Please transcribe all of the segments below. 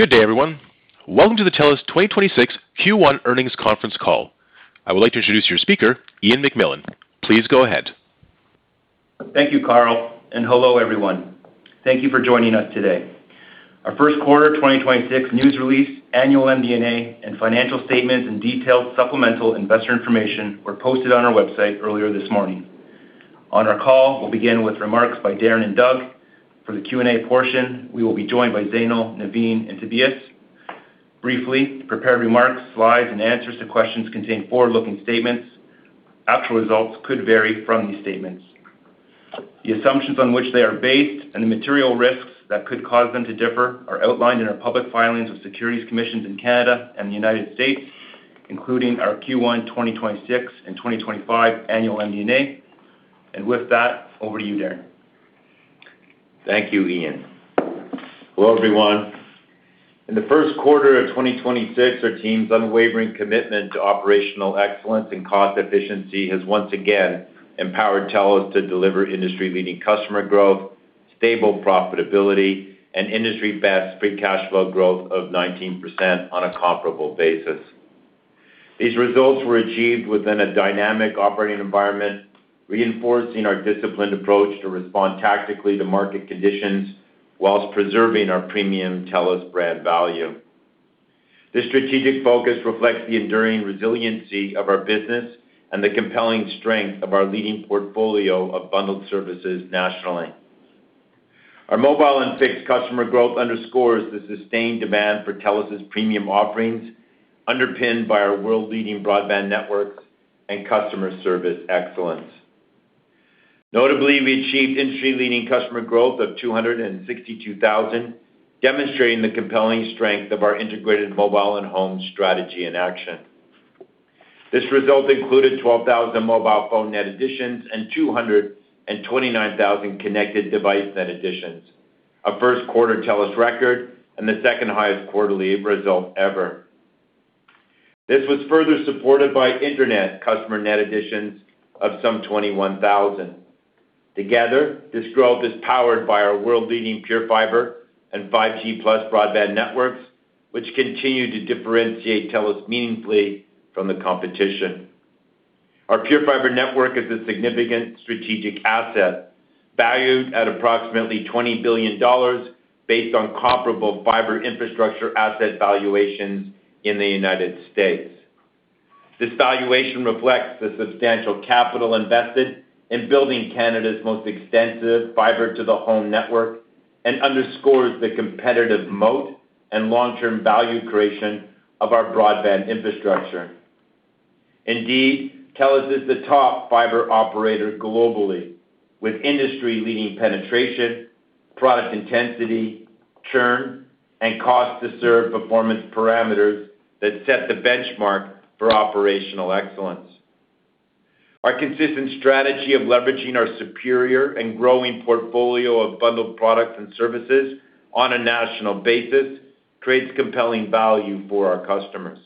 Good day, everyone. Welcome to the TELUS 2026 Q1 earnings conference call. I would like to introduce your speaker, Ian McMillan. Please go ahead. Thank you, Carl, and hello, everyone. Thank you for joining us today. Our first quarter 2026 news release, annual MD&A, and financial statements and detailed supplemental investor information were posted on our website earlier this morning. On our call, we'll begin with remarks by Darren and Doug. For the Q&A portion, we will be joined by Zainul, Navin, and Tobias. Briefly, prepared remarks, slides, and answers to questions contain forward-looking statements. Actual results could vary from these statements. The assumptions on which they are based and the material risks that could cause them to differ are outlined in our public filings with securities commissions in Canada and the United States, including our Q1 2026 and 2025 annual MD&A. With that, over to you, Darren. Thank you, Ian. Hello, everyone. In the first quarter of 2026, our team's unwavering commitment to operational excellence and cost efficiency has once again empowered TELUS to deliver industry-leading customer growth, stable profitability, and industry-best free cash flow growth of 19% on a comparable basis. These results were achieved within a dynamic operating environment, reinforcing our disciplined approach to respond tactically to market conditions whilst preserving our premium TELUS brand value. This strategic focus reflects the enduring resiliency of our business and the compelling strength of our leading portfolio of bundled services nationally. Our mobile and fixed customer growth underscores the sustained demand for TELUS's premium offerings, underpinned by our world-leading broadband networks and customer service excellence. Notably, we achieved industry-leading customer growth of 262,000, demonstrating the compelling strength of our integrated mobile and home strategy in action. This result included 12,000 mobile phone net additions and 229,000 connected device net additions, a first quarter TELUS record and the second-highest quarterly result ever. This was further supported by Internet customer net additions of some 21,000. Together, this growth is powered by our world-leading PureFibre and 5G+ broadband networks, which continue to differentiate TELUS meaningfully from the competition. Our PureFibre network is a significant strategic asset, valued at approximately 20 billion dollars based on comparable fiber infrastructure asset valuations in the United States. This valuation reflects the substantial capital invested in building Canada's most extensive fiber-to-the-home network and underscores the competitive moat and long-term value creation of our broadband infrastructure. Indeed, TELUS is the top fiber operator globally, with industry-leading penetration, product intensity, churn, and cost to serve performance parameters that set the benchmark for operational excellence. Our consistent strategy of leveraging our superior and growing portfolio of bundled products and services on a national basis creates compelling value for our customers.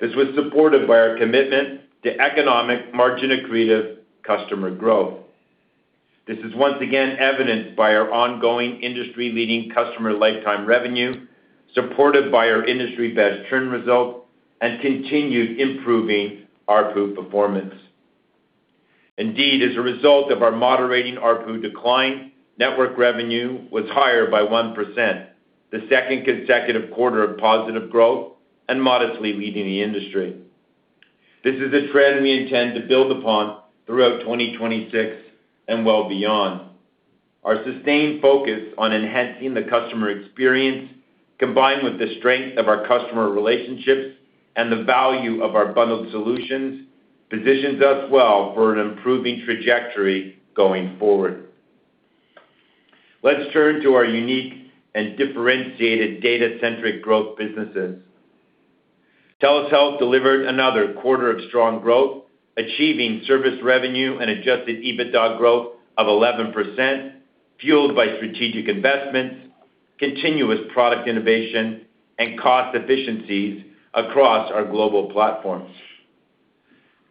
This was supported by our commitment to economic margin accretive customer growth. This is once again evidenced by our ongoing industry-leading customer lifetime revenue, supported by our industry-best churn result and continued improving ARPU performance. Indeed, as a result of our moderating ARPU decline, network revenue was higher by 1%, the second consecutive quarter of positive growth and modestly leading the industry. This is a trend we intend to build upon throughout 2026 and well beyond. Our sustained focus on enhancing the customer experience, combined with the strength of our customer relationships and the value of our bundled solutions, positions us well for an improving trajectory going forward. Let's turn to our unique and differentiated data-centric growth businesses. TELUS Health delivered another quarter of strong growth, achieving service revenue and adjusted EBITDA growth of 11%, fueled by strategic investments, continuous product innovation, and cost efficiencies across our global platforms.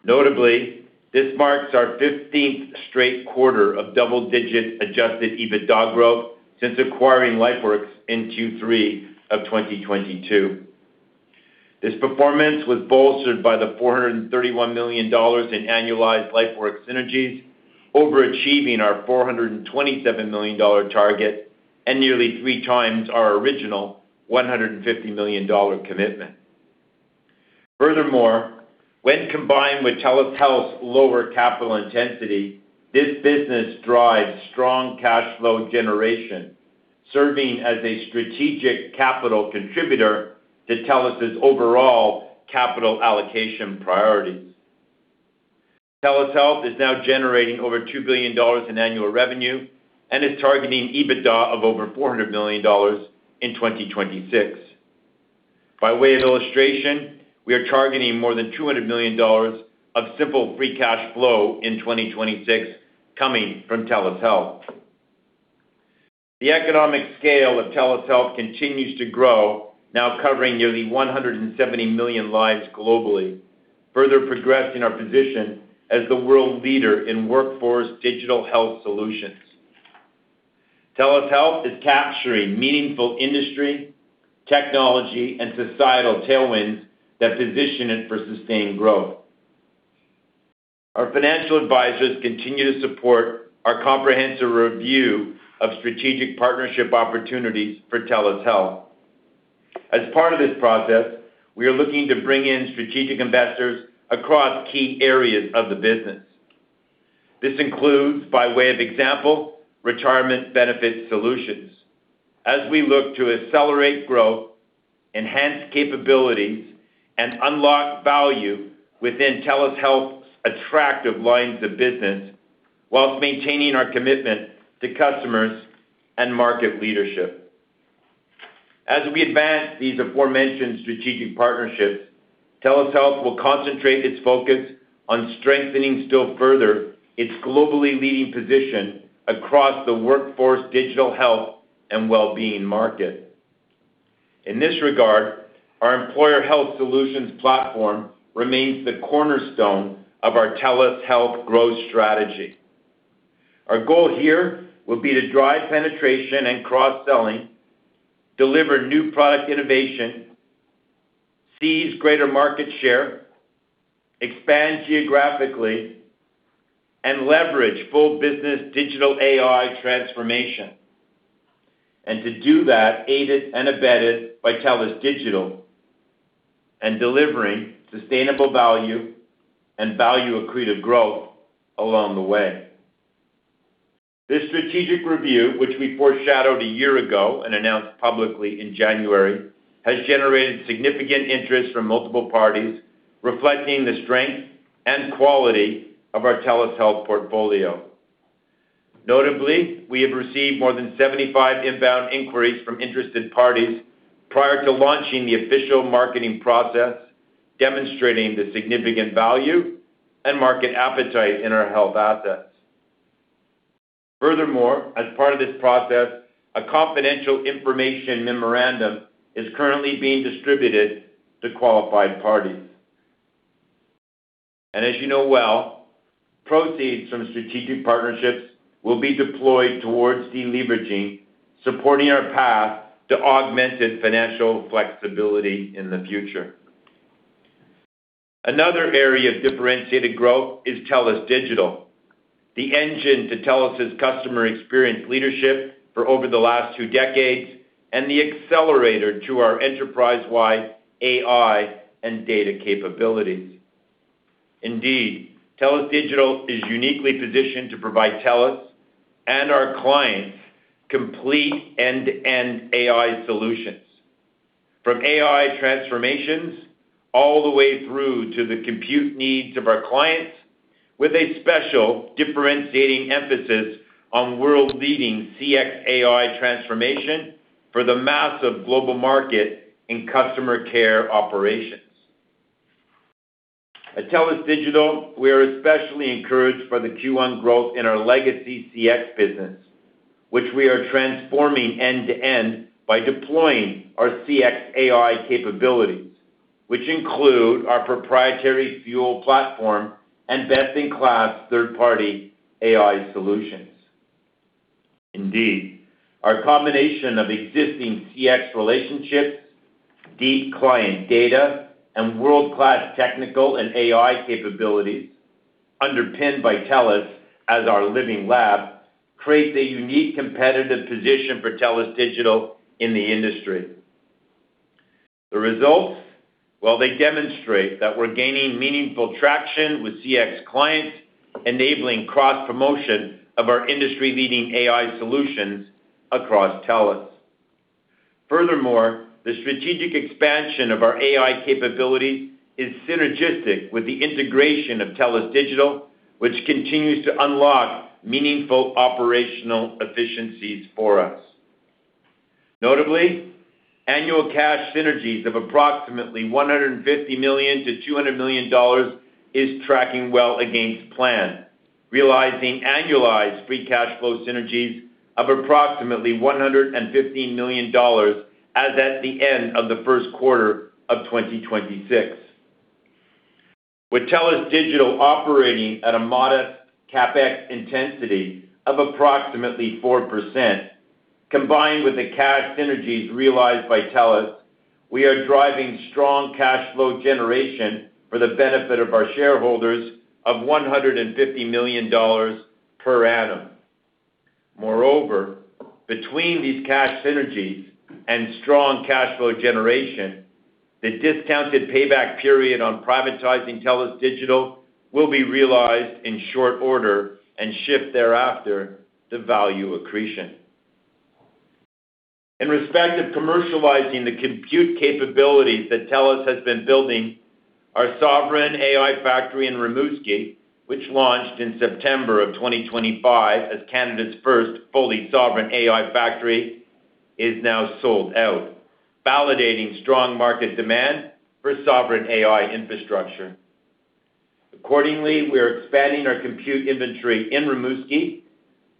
Notably, this marks our 15th straight quarter of double-digit adjusted EBITDA growth since acquiring LifeWorks in Q3 of 2022. This performance was bolstered by the 431 million dollars in annualized LifeWorks synergies, overachieving our 427 million dollar target and nearly 3x our original 150 million dollar commitment. When combined with TELUS Health's lower capital intensity, this business drives strong cash flow generation, serving as a strategic capital contributor to TELUS's overall capital allocation priorities. TELUS Health is now generating over 2 billion dollars in annual revenue and is targeting EBITDA of over 400 million dollars in 2026. By way of illustration, we are targeting more than 200 million dollars of simple free cash flow in 2026 coming from TELUS Health. The economic scale of TELUS Health continues to grow, now covering nearly 170 million lives globally, further progressing our position as the world leader in workforce digital health solutions. TELUS Health is capturing meaningful industry, technology, and societal tailwinds that position it for sustained growth. Our financial advisors continue to support our comprehensive review of strategic partnership opportunities for TELUS Health. As part of this process, we are looking to bring in strategic investors across key areas of the business. This includes, by way of example, retirement benefit solutions as we look to accelerate growth, enhance capabilities, and unlock value within TELUS Health's attractive lines of business, while maintaining our commitment to customers and market leadership. As we advance these aforementioned strategic partnerships, TELUS Health will concentrate its focus on strengthening still further its globally leading position across the workforce, digital health, and well-being market. In this regard, our employer health solutions platform remains the cornerstone of our TELUS Health growth strategy. Our goal here will be to drive penetration and cross-selling, deliver new product innovation, seize greater market share, expand geographically, and leverage full business digital AI transformation. To do that, aided and abetted by TELUS Digital and delivering sustainable value and value accreted growth along the way. This strategic review, which we foreshadowed a year ago and announced publicly in January, has generated significant interest from multiple parties, reflecting the strength and quality of our TELUS Health portfolio. Notably, we have received more than 75 inbound inquiries from interested parties prior to launching the official marketing process, demonstrating the significant value and market appetite in our health assets. As part of this process, a confidential information memorandum is currently being distributed to qualified parties. As you know well, proceeds from strategic partnerships will be deployed towards deleveraging, supporting our path to augmented financial flexibility in the future. Another area of differentiated growth is TELUS Digital, the engine to TELUS's customer experience leadership for over the last two decades, and the accelerator to our enterprise-wide AI and data capabilities. Indeed, TELUS Digital is uniquely positioned to provide TELUS and our clients complete end-to-end AI solutions, from AI transformations all the way through to the compute needs of our clients with a special differentiating emphasis on world-leading CX AI transformation for the massive global market in customer care operations. At TELUS Digital, we are especially encouraged by the Q1 growth in our legacy CX business, which we are transforming end to end by deploying our CX AI capabilities, which include our proprietary Fuel platform and best-in-class third-party AI solutions. Indeed, our combination of existing CX relationships, deep client data, and world-class technical and AI capabilities underpinned by TELUS as our living lab, creates a unique competitive position for TELUS Digital in the industry. The results, well, they demonstrate that we're gaining meaningful traction with CX clients, enabling cross-promotion of our industry-leading AI solutions across TELUS. Furthermore, the strategic expansion of our AI capabilities is synergistic with the integration of TELUS Digital, which continues to unlock meaningful operational efficiencies for us. Notably, annual cash synergies of approximately 150 million-200 million dollars is tracking well against plan, realizing annualized free cash flow synergies of approximately 115 million dollars as at the end of the first quarter of 2026. With TELUS Digital operating at a modest CapEx intensity of approximately 4%, combined with the cash synergies realized by TELUS, we are driving strong cash flow generation for the benefit of our shareholders of 150 million dollars per annum. Moreover, between these cash synergies and strong cash flow generation, the discounted payback period on privatizing TELUS Digital will be realized in short order and shift thereafter to value accretion. In respect of commercializing the compute capabilities that TELUS has been building, our sovereign AI factory in Rimouski, which launched in September 2025 as Canada's first fully sovereign AI factory, is now sold out, validating strong market demand for sovereign AI infrastructure. Accordingly, we are expanding our compute inventory in Rimouski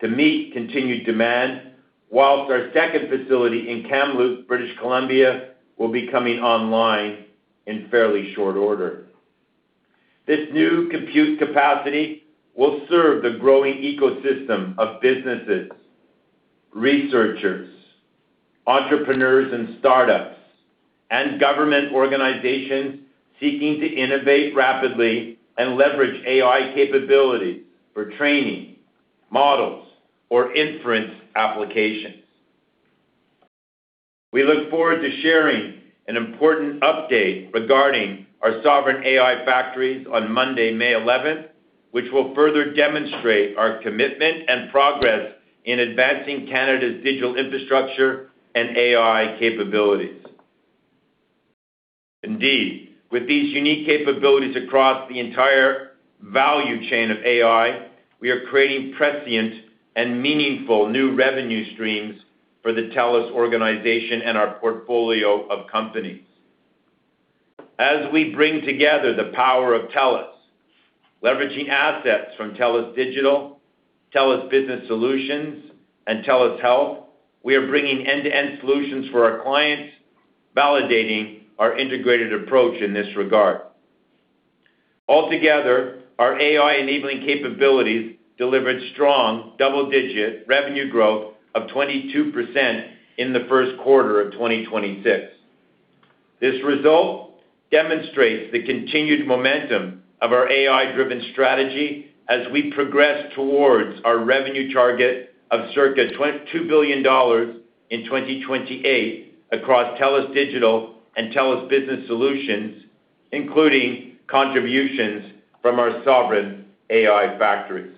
to meet continued demand, whilst our second facility in Kamloops, British Columbia, will be coming online in fairly short order. This new compute capacity will serve the growing ecosystem of businesses, researchers, entrepreneurs and startups, and government organizations seeking to innovate rapidly and leverage AI capabilities for training, models, or inference applications. We look forward to sharing an important update regarding our sovereign AI factories on Monday, May 11th, which will further demonstrate our commitment and progress in advancing Canada's digital infrastructure and AI capabilities. Indeed, with these unique capabilities across the entire value chain of AI, we are creating prescient and meaningful new revenue streams for the TELUS organization and our portfolio of companies. As we bring together the power of TELUS, leveraging assets from TELUS Digital, TELUS Business Solutions, and TELUS Health, we are bringing end-to-end solutions for our clients, validating our integrated approach in this regard. Altogether, our AI enabling capabilities delivered strong double-digit revenue growth of 22% in the first quarter of 2026. This result demonstrates the continued momentum of our AI-driven strategy as we progress towards our revenue target of circa 22 billion dollars in 2028 across TELUS Digital and TELUS Business Solutions, including contributions from our sovereign AI factories.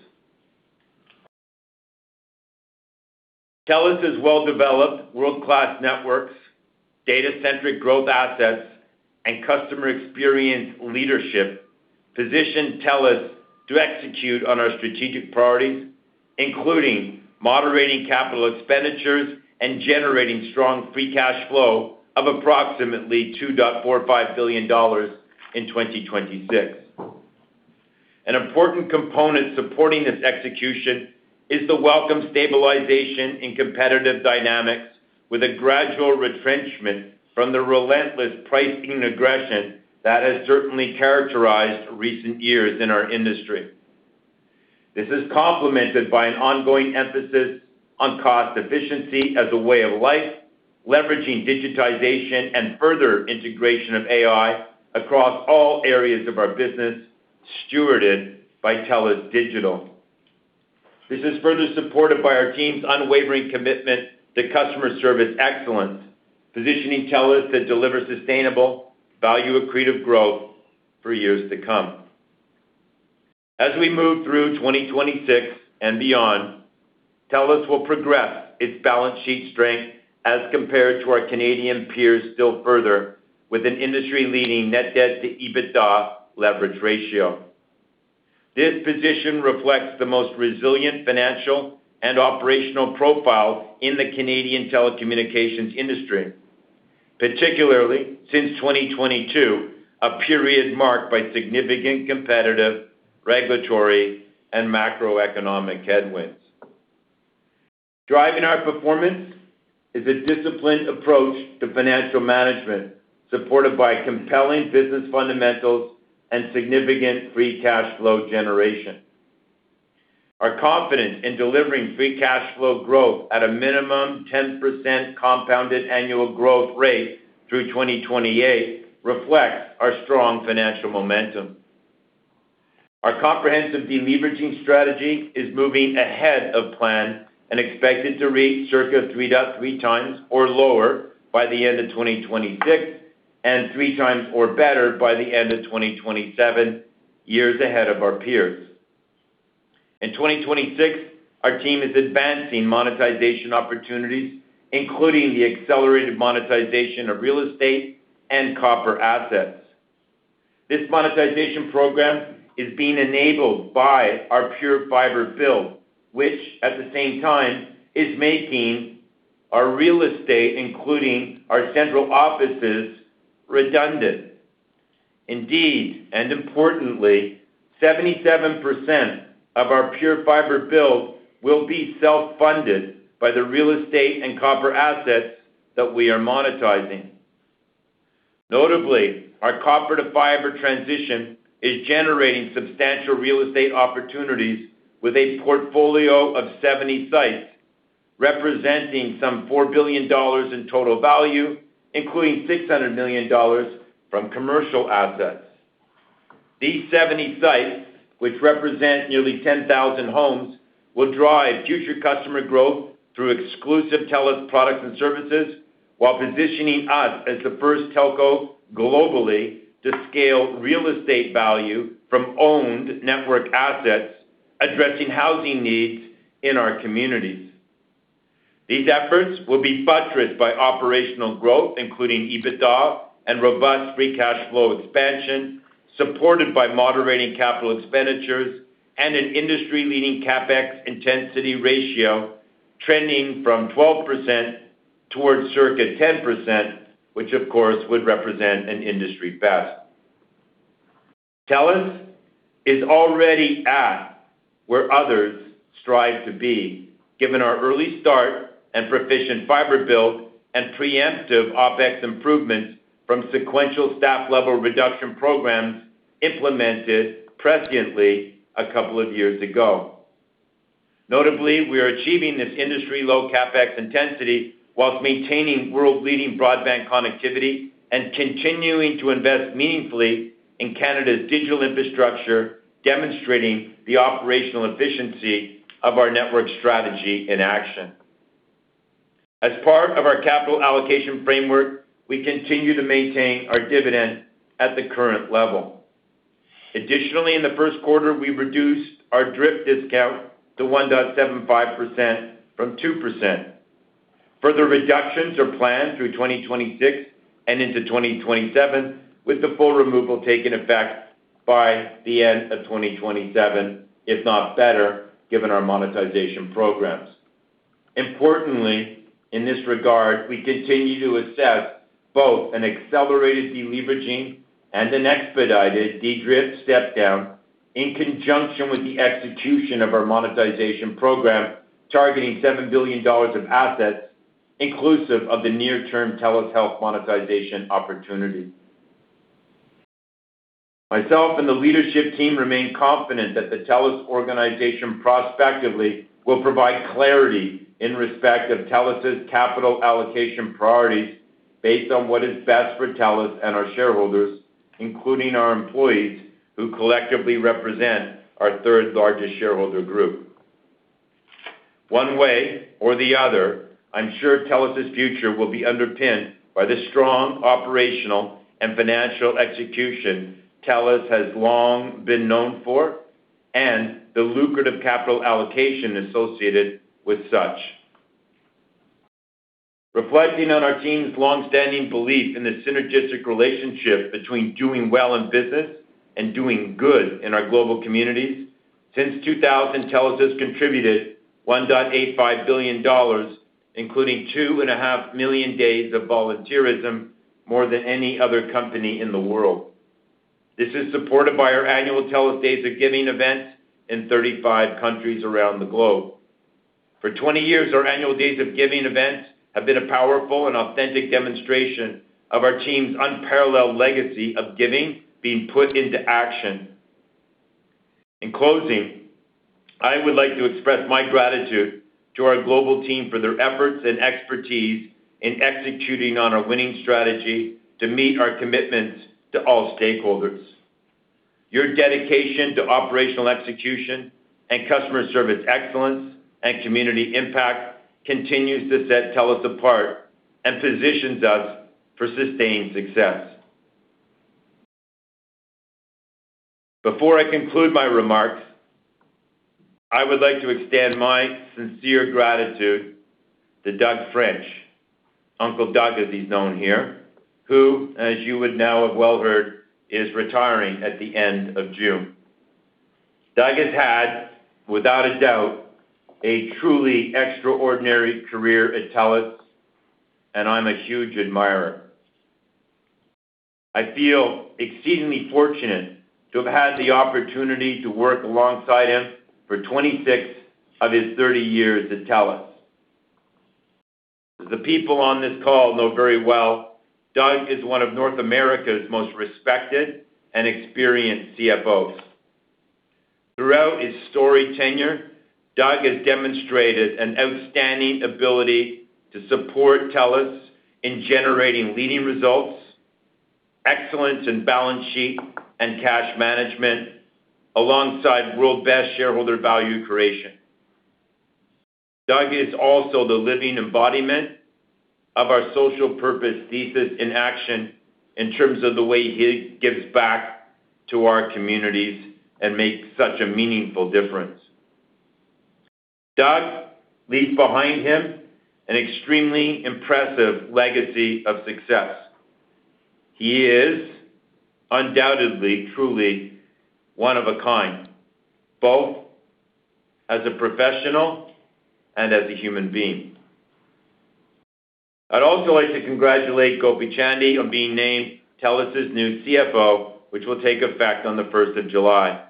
TELUS' well-developed world-class networks, data-centric growth assets, and customer experience leadership position TELUS to execute on our strategic priorities, including moderating capital expenditures and generating strong free cash flow of approximately 2.45 billion dollars in 2026. An important component supporting this execution is the welcome stabilization in competitive dynamics with a gradual retrenchment from the relentless pricing aggression that has certainly characterized recent years in our industry. This is complemented by an ongoing emphasis on cost efficiency as a way of life, leveraging digitization and further integration of AI across all areas of our business, stewarded by TELUS Digital. This is further supported by our team's unwavering commitment to customer service excellence, positioning TELUS to deliver sustainable value accretive growth for years to come. As we move through 2026 and beyond, TELUS will progress its balance sheet strength as compared to our Canadian peers still further with an industry-leading net debt-to-EBITDA leverage ratio. This position reflects the most resilient financial and operational profile in the Canadian telecommunications industry, particularly since 2022, a period marked by significant competitive, regulatory, and macroeconomic headwinds. Driving our performance is a disciplined approach to financial management supported by compelling business fundamentals and significant free cash flow generation. Our confidence in delivering free cash flow growth at a minimum 10% compounded annual growth rate through 2028 reflects our strong financial momentum. Our comprehensive deleveraging strategy is moving ahead of plan and expected to reach circa 3.3x or lower by the end of 2026 and 3x or better by the end of 2027, years ahead of our peers. In 2026, our team is advancing monetization opportunities, including the accelerated monetization of real estate and copper assets. This monetization program is being enabled by our TELUS PureFibre build, which at the same time is making our real estate, including our COs, redundant. Indeed, importantly, 77% of our TELUS PureFibre build will be self-funded by the real estate and copper assets that we are monetizing. Notably, our copper-to-fiber transition is generating substantial real estate opportunities with a portfolio of 70 sites representing some 4 billion dollars in total value, including 600 million dollars from commercial assets. These 70 sites, which represent nearly 10,000 homes, will drive future customer growth through exclusive TELUS products and services while positioning us as the first telco globally to scale real estate value from owned network assets addressing housing needs in our communities. These efforts will be buttressed by operational growth, including EBITDA and robust free cash flow expansion, supported by moderating capital expenditures and an industry-leading CapEx intensity ratio trending from 12% towards circa 10%, which of course would represent an industry best. TELUS is already at where others strive to be, given our early start and proficient fibre build and preemptive OpEx improvements from sequential staff level reduction programs implemented presciently a couple of years ago. Notably, we are achieving this industry low CapEx intensity whilst maintaining world-leading broadband connectivity and continuing to invest meaningfully in Canada's digital infrastructure, demonstrating the operational efficiency of our network strategy in action. As part of our capital allocation framework, we continue to maintain our dividend at the current level. Additionally, in the first quarter, we reduced our DRIP discount to 1.75% from 2%. Further reductions are planned through 2026 and into 2027, with the full removal taking effect by the end of 2027, if not better, given our monetization programs. Importantly, in this regard, we continue to assess both an accelerated deleveraging and an expedited de-DRIP step down in conjunction with the execution of our monetization program targeting 7 billion dollars of assets inclusive of the near-term TELUS Health monetization opportunity. Myself and the leadership team remain confident that the TELUS organization prospectively will provide clarity in respect of TELUS' capital allocation priorities based on what is best for TELUS and our shareholders, including our employees, who collectively represent our third-largest shareholder group. One way or the other, I'm sure TELUS' future will be underpinned by the strong operational and financial execution TELUS has long been known for and the lucrative capital allocation associated with such. Reflecting on our team's long-standing belief in the synergistic relationship between doing well in business and doing good in our global communities, since 2000, TELUS has contributed 1.85 billion dollars, including 2.5 million days of volunteerism, more than any other company in the world. This is supported by our annual TELUS Days of Giving event in 35 countries around the globe. For 20 years, our annual Days of Giving event have been a powerful and authentic demonstration of our team's unparalleled legacy of giving being put into action. In closing, I would like to express my gratitude to our global team for their efforts and expertise in executing on our winning strategy to meet our commitments to all stakeholders. Your dedication to operational execution and customer service excellence and community impact continues to set TELUS apart and positions us for sustained success. Before I conclude my remarks, I would like to extend my sincere gratitude to Doug French, Uncle Doug as he's known here, who, as you would now have well heard, is retiring at the end of June. Doug has had, without a doubt, a truly extraordinary career at TELUS, and I'm a huge admirer. I feel exceedingly fortunate to have had the opportunity to work alongside him for 26 of his 30 years at TELUS. As the people on this call know very well, Doug is one of North America's most respected and experienced CFOs. Throughout his storied tenure, Doug has demonstrated an outstanding ability to support TELUS in generating leading results, excellence in balance sheet and cash management, alongside world-best shareholder value creation. Doug is also the living embodiment of our social purpose thesis in action in terms of the way he gives back to our communities and makes such a meaningful difference. Doug leaves behind him an extremely impressive legacy of success. He is undoubtedly truly one of a kind, both as a professional and as a human being. I'd also like to congratulate Gopi Chande on being named TELUS' new CFO, which will take effect on the first of July.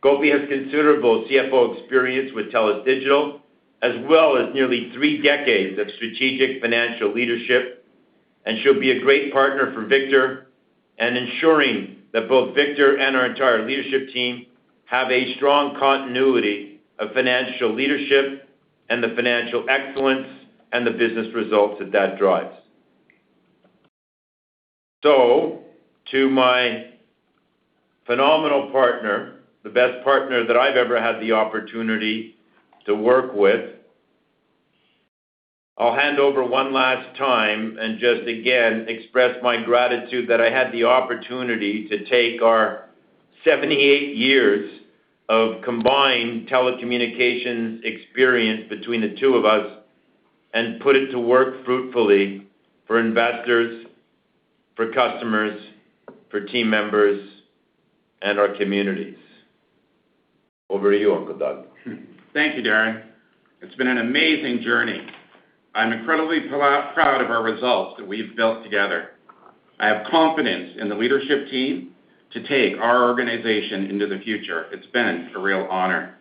Gopi has considerable CFO experience with TELUS Digital, as well as nearly three decades of strategic financial leadership, and she'll be a great partner for Victor and ensuring that both Victor and our entire leadership team have a strong continuity of financial leadership and the financial excellence and the business results that that drives. To my phenomenal partner, the best partner that I've ever had the opportunity to work with, I'll hand over one last time and just again express my gratitude that I had the opportunity to take our 78 years of combined telecommunications experience between the two of us and put it to work fruitfully for investors, for customers, for team members, and our communities. Over to you, Uncle Doug. Thank you, Darren. It's been an amazing journey. I'm incredibly proud of our results that we've built together. I have confidence in the leadership team to take our organization into the future. It's been a real honor.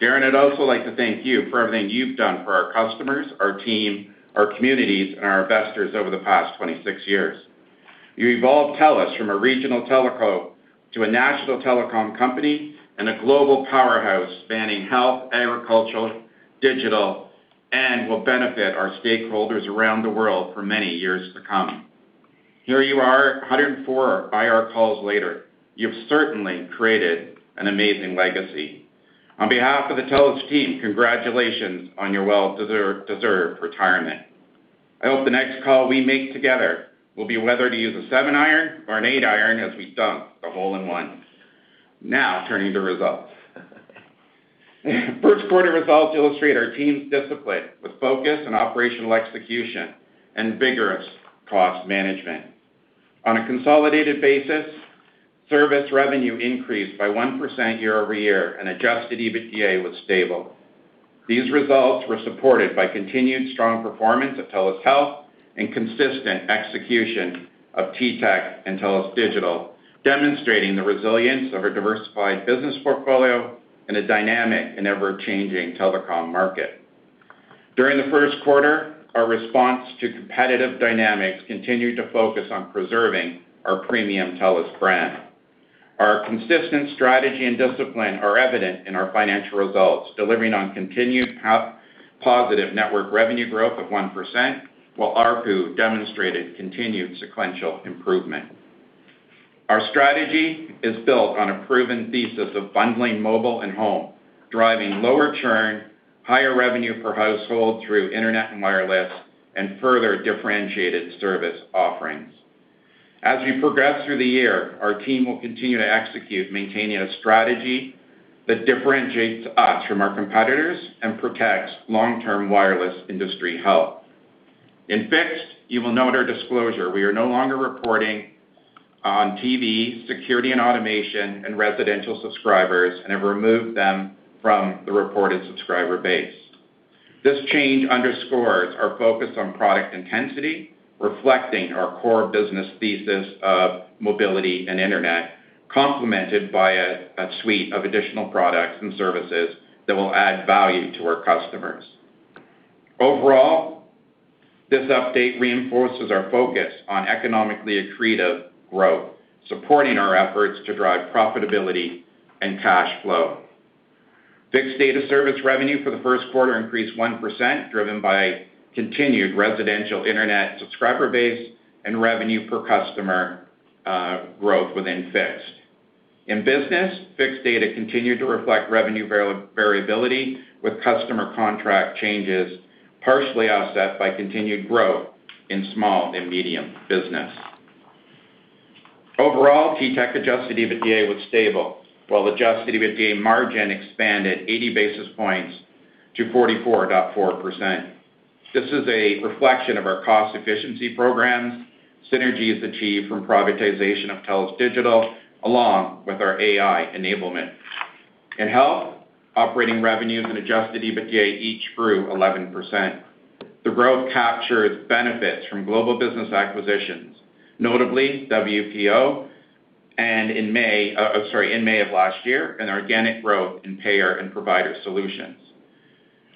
Darren, I'd also like to thank you for everything you've done for our customers, our team, our communities, and our investors over the past 26 years. You evolved TELUS from a regional telecom to a national telecom company and a global powerhouse spanning health, agricultural, digital, and will benefit our stakeholders around the world for many years to come. Here you are, 104 IR calls later. You've certainly created an amazing legacy. On behalf of the TELUS team, congratulations on your well-deserved retirement. I hope the next call we make together will be whether to use a seven iron or an eight iron as we dunk a hole in one. Turning to results. First quarter results illustrate our team's discipline with focus on operational execution and vigorous cost management. On a consolidated basis, service revenue increased by 1% year-over-year, and adjusted EBITDA was stable. These results were supported by continued strong performance of TELUS Health and consistent execution of TTech and TELUS Digital, demonstrating the resilience of our diversified business portfolio in a dynamic and ever-changing telecom market. During the first quarter, our response to competitive dynamics continued to focus on preserving our premium TELUS brand. Our consistent strategy and discipline are evident in our financial results, delivering on continued positive network revenue growth of 1%, while ARPU demonstrated continued sequential improvement. Our strategy is built on a proven thesis of bundling mobile and home, driving lower churn, higher revenue per household through Internet and wireless, and further differentiated service offerings. As we progress through the year, our team will continue to execute, maintaining a strategy that differentiates us from our competitors and protects long-term wireless industry health. In Fixed, you will note our disclosure. We are no longer reporting on TV, security and automation, and residential subscribers, and have removed them from the reported subscriber base. This change underscores our focus on product intensity, reflecting our core business thesis of mobility and Internet, complemented by a suite of additional products and services that will add value to our customers. Overall, this update reinforces our focus on economically accretive growth, supporting our efforts to drive profitability and cash flow. Fixed data service revenue for the first quarter increased 1%, driven by continued residential Internet subscriber base and revenue per customer growth within fixed. In business, fixed data continued to reflect revenue variability with customer contract changes, partially offset by continued growth in small and medium business. Overall, TTech adjusted EBITDA was stable, while adjusted EBITDA margin expanded 80 basis points to 44.4%. This is a reflection of our cost efficiency programs, synergies achieved from privatization of TELUS Digital, along with our AI enablement. In Health, operating revenues and adjusted EBITDA each grew 11%. The growth captures benefits from global business acquisitions, notably WPO and in May of last year, an organic growth in payer and provider solutions.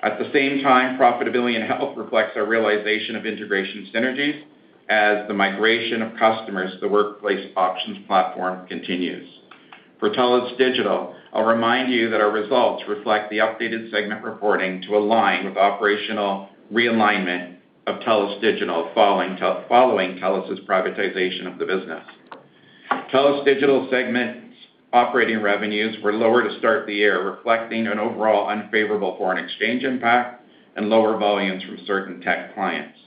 At the same time, profitability in Health reflects our realization of integration synergies as the migration of customers to the Workplace Options platform continues. For TELUS Digital, I'll remind you that our results reflect the updated segment reporting to align with operational realignment of TELUS Digital following TELUS's privatization of the business. TELUS Digital segment's operating revenues were lower to start the year, reflecting an overall unfavorable foreign exchange impact and lower volumes from certain tech clients.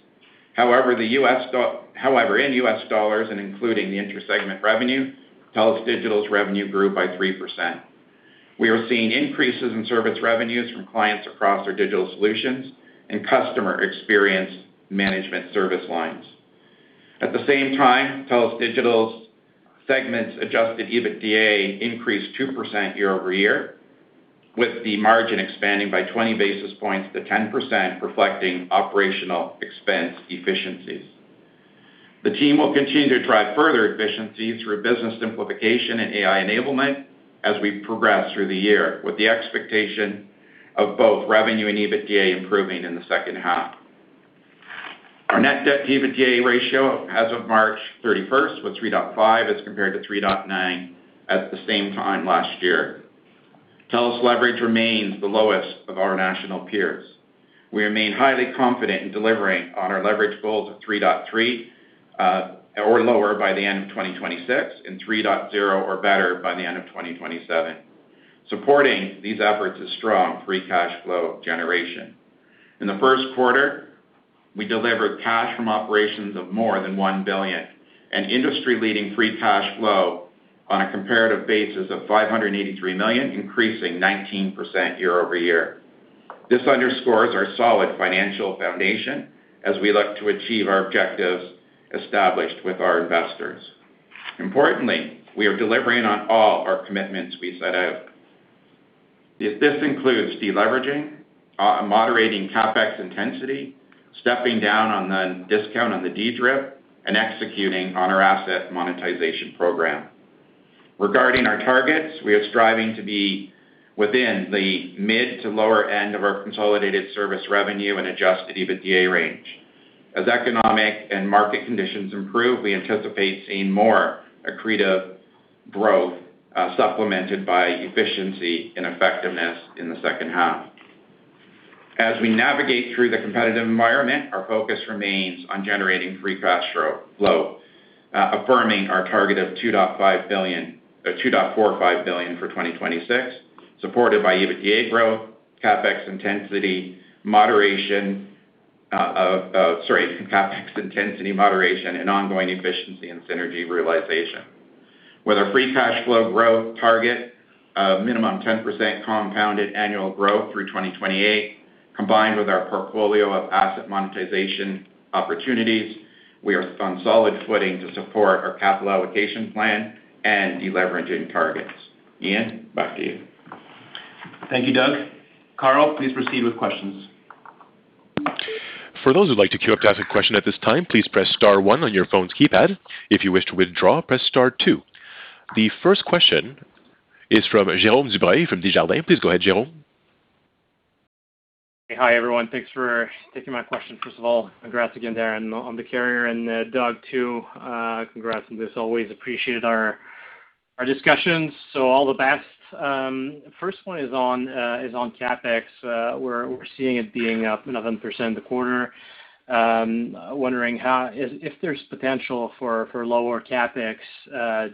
However, in US dollars, and including the inter-segment revenue, TELUS Digital's revenue grew by 3%. We are seeing increases in service revenues from clients across our digital solutions and customer experience management service lines. At the same time, TELUS Digital's segment's adjusted EBITDA increased 2% year-over-year, with the margin expanding by 20 basis points to 10%, reflecting operational expense efficiencies. The team will continue to drive further efficiencies through business simplification and AI enablement as we progress through the year, with the expectation of both revenue and EBITDA improving in the second half. Our net debt-to-EBITDA ratio as of March 31st was 3.5 as compared to 3.9 at the same time last year. TELUS leverage remains the lowest of our national peers. We remain highly confident in delivering on our leverage goals of 3.3 or lower by the end of 2026 and 3.0 or better by the end of 2027. Supporting these efforts is strong free cash flow generation. In the first quarter, we delivered cash from operations of more than 1 billion, and industry-leading free cash flow on a comparative basis of 583 million, increasing 19% year-over-year. This underscores our solid financial foundation as we look to achieve our objectives established with our investors. Importantly, we are delivering on all our commitments we set out. This includes deleveraging, moderating CapEx intensity, stepping down on the discount on the DRIP, and executing on our asset monetization program. Regarding our targets, we are striving to be within the mid to lower end of our consolidated service revenue and adjusted EBITDA range. As economic and market conditions improve, we anticipate seeing more accretive growth, supplemented by efficiency and effectiveness in the second half. As we navigate through the competitive environment, our focus remains on generating free cash flow, affirming our target of 2.45 billion for 2026, supported by EBITDA growth, CapEx intensity moderation and ongoing efficiency and synergy realization. With our free cash flow growth target of minimum 10% compounded annual growth through 2028, combined with our portfolio of asset monetization opportunities, we are on solid footing to support our capital allocation plan and deleveraging targets. Ian, back to you. Thank you, Doug. Carl, please proceed with questions. For those who would like to ask a question at this time please press star one on your phone's keypad. If you wish to withdraw press star twoThe first question is from Jerome Dubreuil from Desjardins. Please go ahead, Jerome. Hi, everyone. Thanks for taking my question. First of all, congrats again, Darren, on the carrier, and Doug too, congrats on this. Always appreciated our discussions, all the best. First one is on CapEx. We're seeing it being up another percent in the quarter. Wondering if there's potential for lower CapEx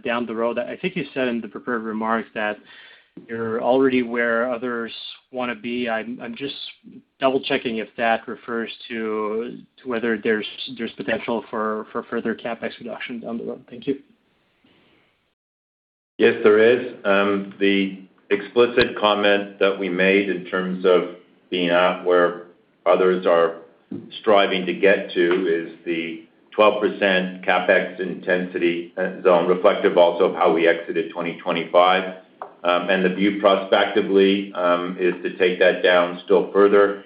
down the road. I think you said in the prepared remarks that you're already where others wanna be. I'm just double-checking if that refers to whether there's potential for further CapEx reduction down the road. Thank you. Yes, there is. The explicit comment that we made in terms of being at where others are striving to get to is the 12% CapEx intensity zone, reflective also of how we exited 2025. The view prospectively is to take that down still further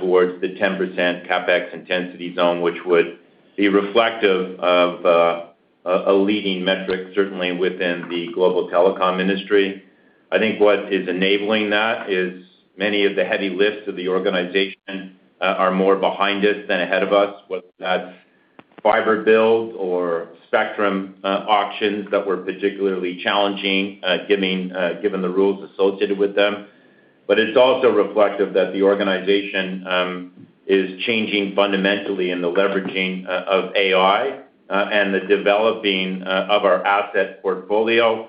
towards the 10% CapEx intensity zone, which would be reflective of a leading metric, certainly within the global telecom industry. I think what is enabling that is many of the heavy lifts of the organization are more behind us than ahead of us, whether that's fiber builds or spectrum auctions that were particularly challenging, given the rules associated with them. It's also reflective that the organization is changing fundamentally in the leveraging of AI and the developing of our asset portfolio,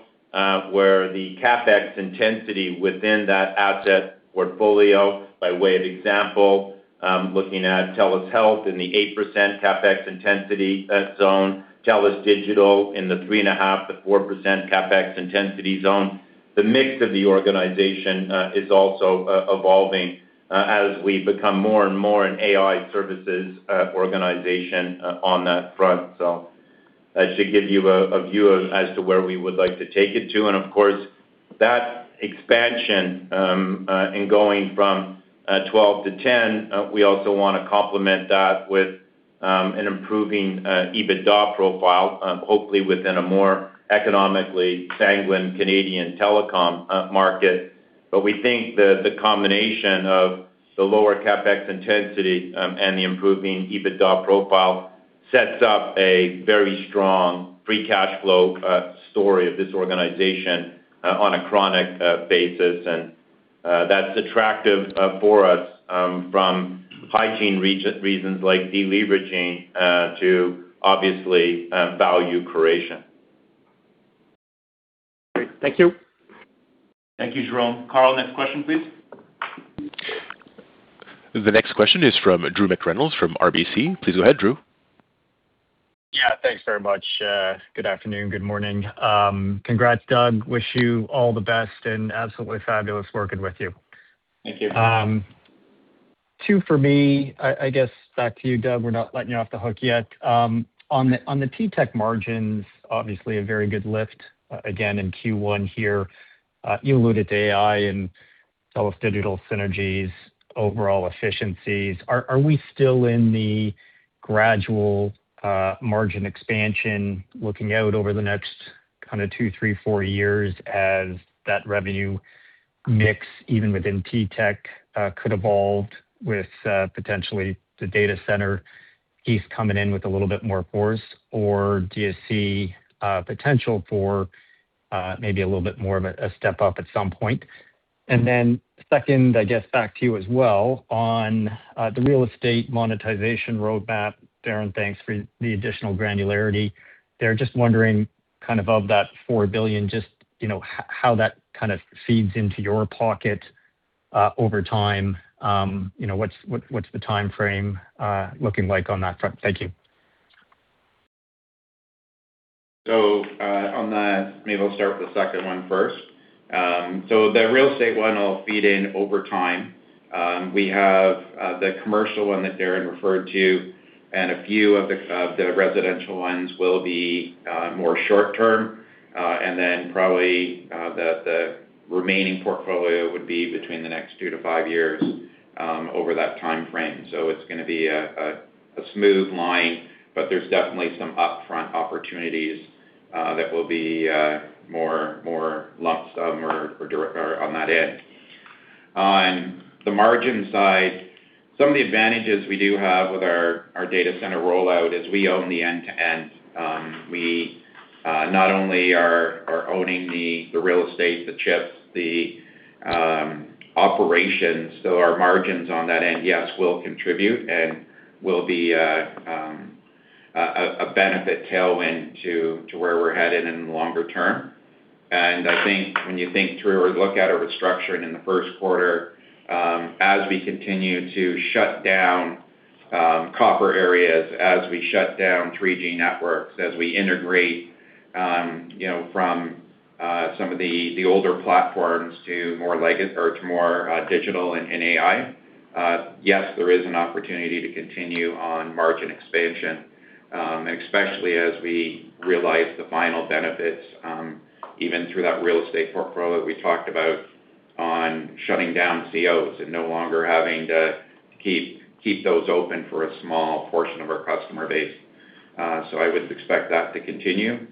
where the CapEx intensity within that asset portfolio, by way of example, looking at TELUS Health in the 8% CapEx intensity zone, TELUS Digital in the 3.5%-4% CapEx intensity zone. The mix of the organization is also evolving as we become more and more an AI services organization on that front. That should give you a view as to where we would like to take it to. Of course, that expansion in going from 12 to 10, we also want to complement that with an improving EBITDA profile, hopefully within a more economically sanguine Canadian telecom market. We think that the combination of the lower CapEx intensity and the improving EBITDA profile sets up a very strong free cash flow story of this organization on a chronic basis. That's attractive for us from hygiene reasons like deleveraging to obviously value creation. Great. Thank you. Thank you, Jerome. Carl, next question, please. The next question is from Drew McReynolds from RBC. Please go ahead, Drew. Yeah, thanks very much. Good afternoon, good morning. Congrats, Doug. Wish you all the best and absolutely fabulous working with you. Thank you. Two for me. I guess back to you, Doug, we're not letting you off the hook yet. On the TTech margins, obviously a very good lift again in Q1 here. You alluded to AI and TELUS Digital synergies, overall efficiencies. Are we still in the gradual margin expansion looking out over the next kind of two, three, four years as that revenue mix, even within TTech, could evolve with potentially the data center piece coming in with a little bit more force, or do you see potential for maybe a little bit more of a step up at some point? Then second, I guess back to you as well on the real estate monetization roadmap. Darren, thanks for the additional granularity there. Just wondering kind of of that 4 billion, just, you know, how that kind of feeds into your pocket over time? You know, what's the timeframe looking like on that front? Thank you. Maybe I'll start with the second one first. The real estate one will feed in over time. We have the commercial one that Darren referred to, and a few of the residential ones will be more short-term. Probably the remaining portfolio would be between the next two to five years over that timeframe. It's gonna be a smooth line, but there's definitely some upfront opportunities that will be more lump sum or on that end. On the margin side, some of the advantages we do have with our data center rollout is we own the end-to-end. We not only are owning the real estate, the chips, the operations. Our margins on that end, yes, will contribute and will be a benefit tailwind to where we're headed in the longer term. I think when you think through or look at a restructuring in the first quarter, as we continue to shut down copper areas, as we shut down 3G networks, as we integrate from some of the older platforms to more digital and AI, yes, there is an opportunity to continue on margin expansion. Especially as we realize the final benefits even through that real estate portfolio we talked about on shutting down COs and no longer having to keep those open for a small portion of our customer base. I would expect that to continue.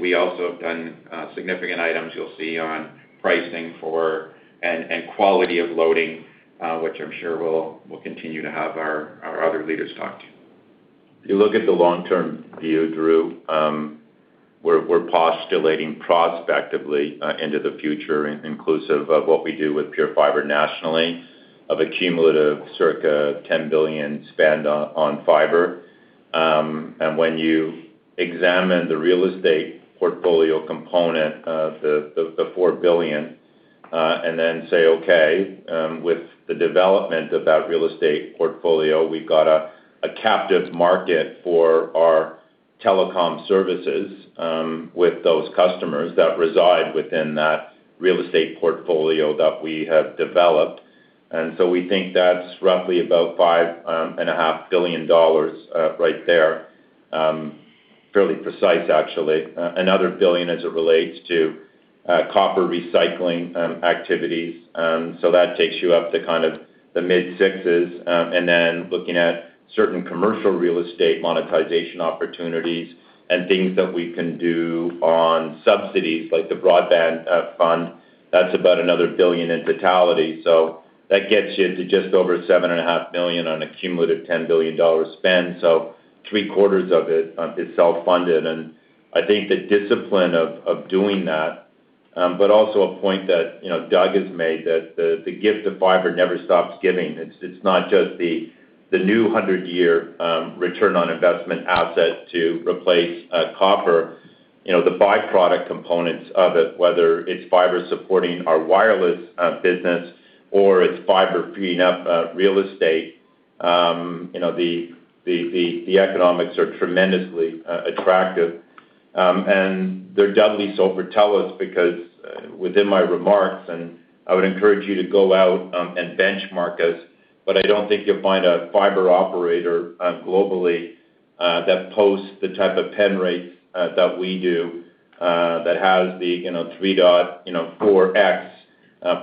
We also have done, significant items you'll see on pricing for and quality of loading, which I'm sure will continue to have our other leaders talk to. You look at the long-term view, Drew, we're postulating prospectively into the future, inclusive of what we do with TELUS PureFibre nationally of a cumulative circa 10 billion spend on fiber. When you examine the real estate portfolio component of the 4 billion, and then say, okay, with the development of that real estate portfolio, we've got a captive market for our telecom services with those customers that reside within that real estate portfolio that we have developed. We think that's roughly about 5.5 billion dollars right there. Fairly precise actually. Another 1 billion as it relates to copper recycling activities, that takes you up to kind of the mid-CAD 6s. Looking at certain commercial real estate monetization opportunities and things that we can do on subsidies like the Universal Broadband Fund, that's about another 1 billion in totality. That gets you to just over 7.5 billion on a cumulative 10 billion dollar spend. 3/4 of it is self-funded. I think the discipline of doing that, but also a point that, you know, Doug has made, that the gift of fiber never stops giving. It's not just the new 100-year return on investment asset to replace copper. You know, the byproduct components of it, whether it's fiber supporting our wireless business or it's fiber freeing up real estate, you know, the economics are tremendously attractive. They're doubly so for TELUS because, within my remarks, and I would encourage you to go out, and benchmark us, but I don't think you'll find a fiber operator, globally, that posts the type of pen rates, that we do, that has the, you know, 3x, you know, 4x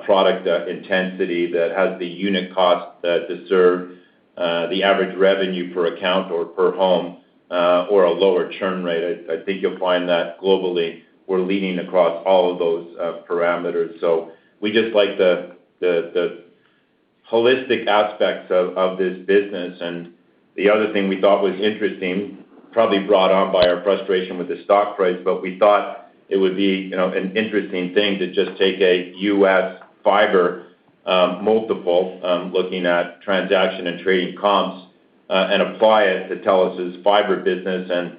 product intensity, that has the unit cost, to serve, the average revenue per account or per home, or a lower churn rate. I think you'll find that globally we're leading across all of those parameters. We just like the holistic aspects of this business. The other thing we thought was interesting, probably brought on by our frustration with the stock price, but we thought it would be, you know, an interesting thing to just take a U.S. fiber multiple, looking at transaction and trading comps, and apply it to TELUS' fiber business, and,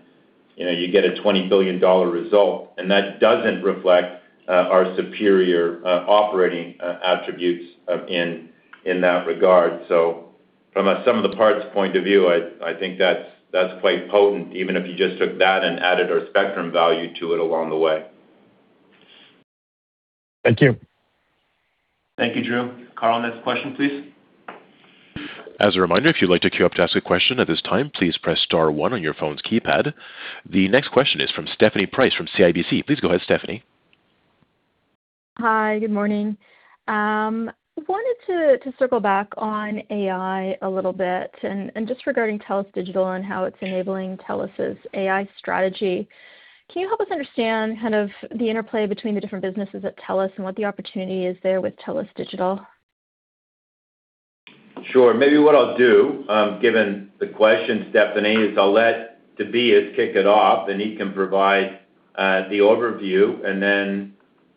you know, you get a 20 billion dollar result. That doesn't reflect our superior operating attributes in that regard. From a sum of the parts point of view, I think that's quite potent, even if you just took that and added our spectrum value to it along the way. Thank you. Thank you, Drew. Carl, next question, please. As a reminder, if you'd like to queue up to ask a question at this time, please press star one on your phone's keypad. The next question is from Stephanie Price from CIBC. Please go ahead, Stephanie. Hi. Good morning. I wanted to circle back on AI a little bit and just regarding TELUS Digital and how it's enabling TELUS's AI strategy. Can you help us understand kind of the interplay between the different businesses at TELUS and what the opportunity is there with TELUS Digital? Sure. Maybe what I'll do, given the question, Stephanie, is I'll let Tobias kick it off and he can provide the overview, and then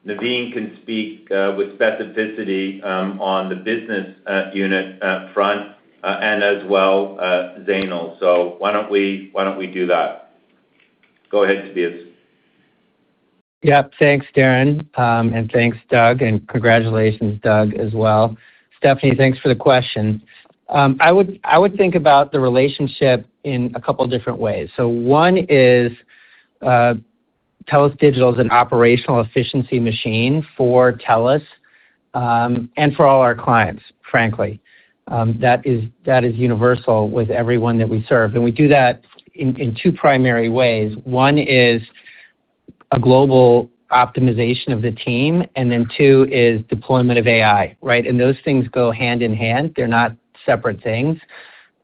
Navin can speak with specificity on the business unit front, and as well, Zainul. Why don't we, why don't we do that? Go ahead, Tobias. Yep. Thanks, Darren. Thanks, Doug, and congratulations, Doug, as well. Stephanie, thanks for the question. I would think about the relationship in a couple different ways. One is TELUS Digital is an operational efficiency machine for TELUS and for all our clients, frankly. That is universal with everyone that we serve. We do that in two primary ways. One is a global optimization of the team, two is deployment of AI, right? Those things go hand in hand. They're not separate things.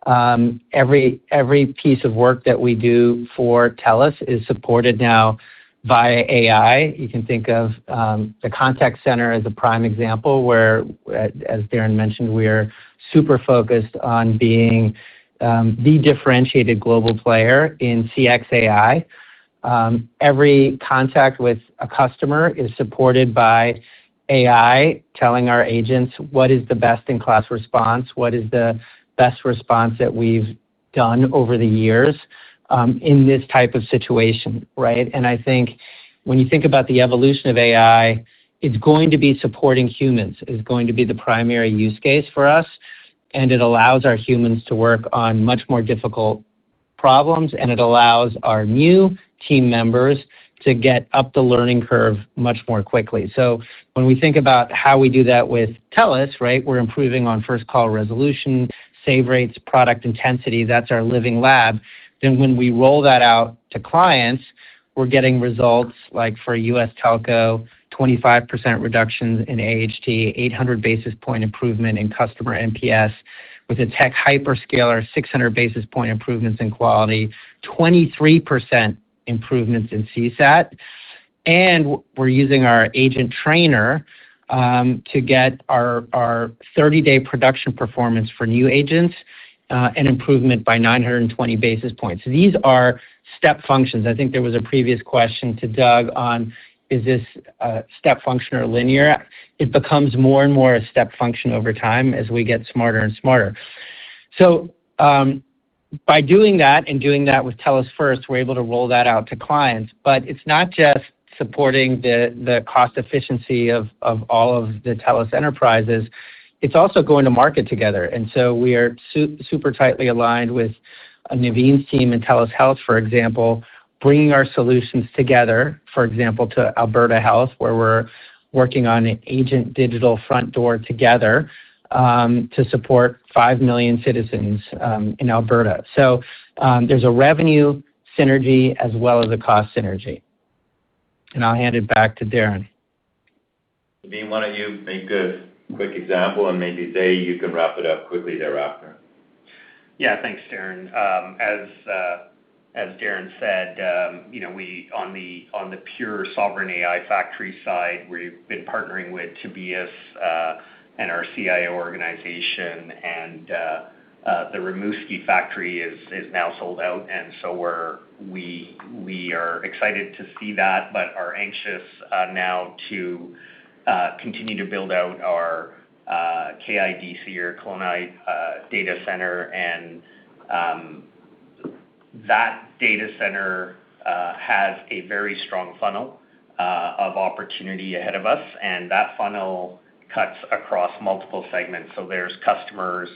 Every piece of work that we do for TELUS is supported now via AI. You can think of the contact center as a prime example, where as Darren mentioned, we're super focused on being the differentiated global player in CX AI. Every contact with a customer is supported by AI telling our agents what is the best-in-class response, what is the best response that we've done over the years in this type of situation, right? I think when you think about the evolution of AI, it's going to be supporting humans is going to be the primary use case for us, and it allows our humans to work on much more difficult problems, and it allows our new team members to get up the learning curve much more quickly. When we think about how we do that with TELUS, right? We're improving on first call resolution, save rates, product intensity. That's our living lab. When we roll that out to clients, we're getting results like for U.S. Telco, 25% reductions in AHT, 800 basis point improvement in customer NPS. With a tech hyperscaler, 600 basis point improvements in quality, 23% improvements in CSAT. We're using our Agent Trainer to get our 30-day production performance for new agents, an improvement by 920 basis points. These are step functions. I think there was a previous question to Doug on, is this a step function or linear? It becomes more and more a step function over time as we get smarter and smarter. By doing that and doing that with TELUS first, we're able to roll that out to clients. It's not just supporting the cost efficiency of all of the TELUS enterprises. It's also going to market together. We are super tightly aligned with Navin's team in TELUS Health, for example, bringing our solutions together, for example, to Alberta Health, where we're working on an agent digital front door together, to support 5 million citizens in Alberta. There's a revenue synergy as well as a cost synergy. I'll hand it back to Darren. Navin, why don't you make a quick example and maybe, Zai, you can wrap it up quickly thereafter. Thanks, Darren. As Darren said, we on the pure sovereign AI factory side, we've been partnering with Tobias and our CIO organization and the Rimouski factory is now sold out, we are excited to see that but are anxious now to continue to build out our KIDC or Kamloops data center. That data center has a very strong funnel of opportunity ahead of us, and that funnel cuts across multiple segments. There's customers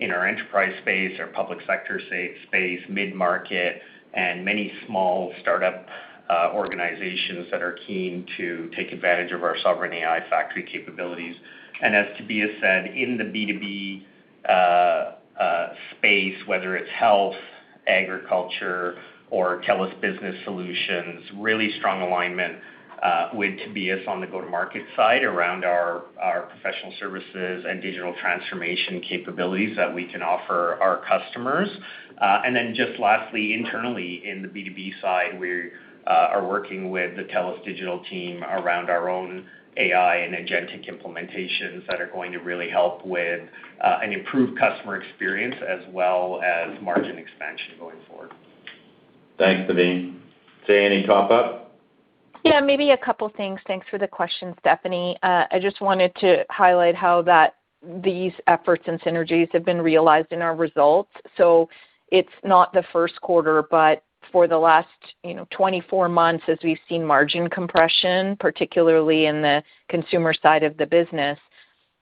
in our enterprise space or public sector space, mid-market, and many small startup organizations that are keen to take advantage of our sovereign AI factory capabilities. As Tobias said, in the B2B space, whether it's Health, Agriculture or TELUS Business Solutions, really strong alignment with Tobias on the go-to-market side around our professional services and digital transformation capabilities that we can offer our customers. Then just lastly, internally in the B2B side, we are working with the TELUS Digital team around our own AI and agentic implementations that are going to really help with an improved customer experience as well as margin expansion going forward. Thanks, Navin. Zai, any top up? Maybe a couple of things. Thanks for the question, Stephanie. I just wanted to highlight how that these efforts and synergies have been realized in our results. It's not the first quarter, but for the last, you know, 24 months as we've seen margin compression, particularly in the consumer side of the business,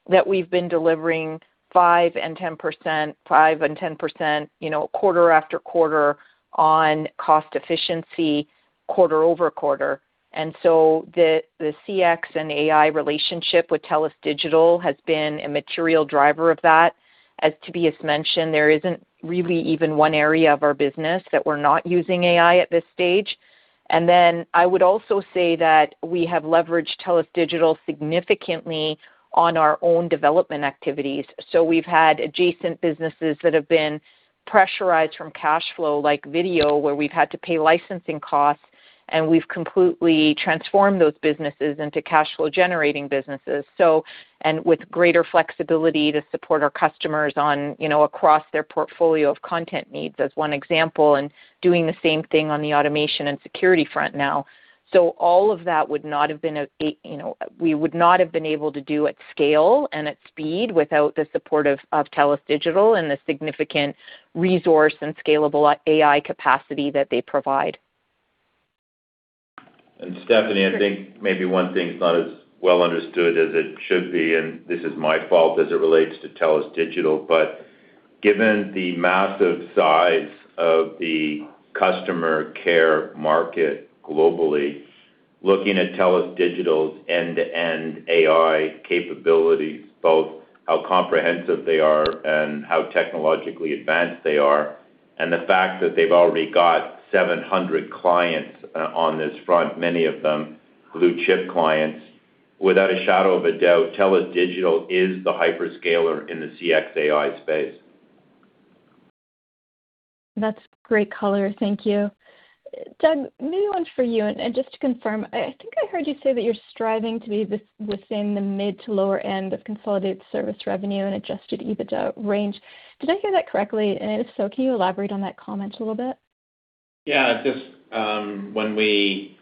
that we've been delivering 5% and 10%, you know, quarter-after-quarter on cost efficiency quarter-over-quarter. The CX and AI relationship with TELUS Digital has been a material driver of that. As Tobias mentioned, there isn't really even one area of our business that we're not using AI at this stage. I would also say that we have leveraged TELUS Digital significantly on our own development activities. We've had adjacent businesses that have been pressurized from cash flow like video, where we've had to pay licensing costs, and we've completely transformed those businesses into cash flow generating businesses. With greater flexibility to support our customers on, you know, across their portfolio of content needs as one example, and doing the same thing on the automation and security front now. All of that would not have been a, you know, we would not have been able to do at scale and at speed without the support of TELUS Digital and the significant resource and scalable AI capacity that they provide. Stephanie, I think maybe one thing's not as well understood as it should be, and this is my fault as it relates to TELUS Digital. Given the massive size of the customer care market globally, looking at TELUS Digital's end-to-end AI capabilities, both how comprehensive they are and how technologically advanced they are, and the fact that they've already got 700 clients on this front, many of them blue chip clients, without a shadow of a doubt, TELUS Digital is the hyperscaler in the CXAI space. That's great color. Thank you. Doug, maybe one for you. Just to confirm, I think I heard you say that you're striving to be within the mid to lower end of consolidated service revenue and adjusted EBITDA range. Did I hear that correctly? If so, can you elaborate on that comment a little bit? Yeah. Just, when we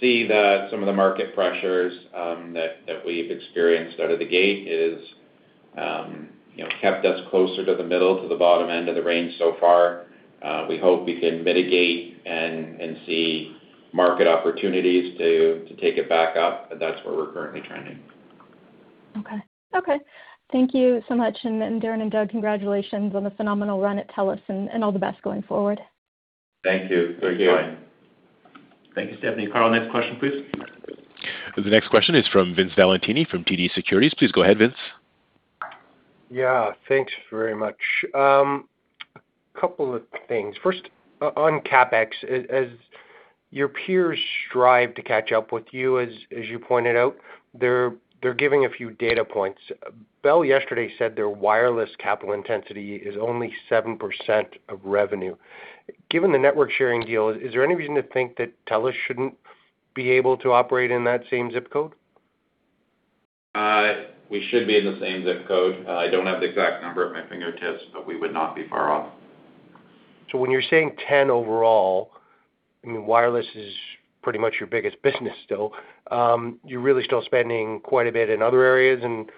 see some of the market pressures that we've experienced out of the gate is, you know, kept us closer to the middle to the bottom end of the range so far. We hope we can mitigate and see market opportunities to take it back up, but that's where we're currently trending. Okay. Okay. Thank you so much. Darren and Doug, congratulations on the phenomenal run at TELUS and all the best going forward. Thank you. Thank you. Thank you, Stephanie. Carl, next question, please. The next question is from Vince Valentini from TD Securities. Please go ahead, Vince. Yeah. Thanks very much. A couple of things. First, on CapEx. As your peers strive to catch up with you, as you pointed out, they're giving a few data points. Bell yesterday said their wireless capital intensity is only 7% of revenue. Given the network sharing deal, is there any reason to think that TELUS shouldn't be able to operate in that same zip code? We should be in the same zip code. I don't have the exact number at my fingertips, but we would not be far off. When you're saying ten overall, I mean, wireless is pretty much your biggest business still. You're really still spending quite a bit in other areas, and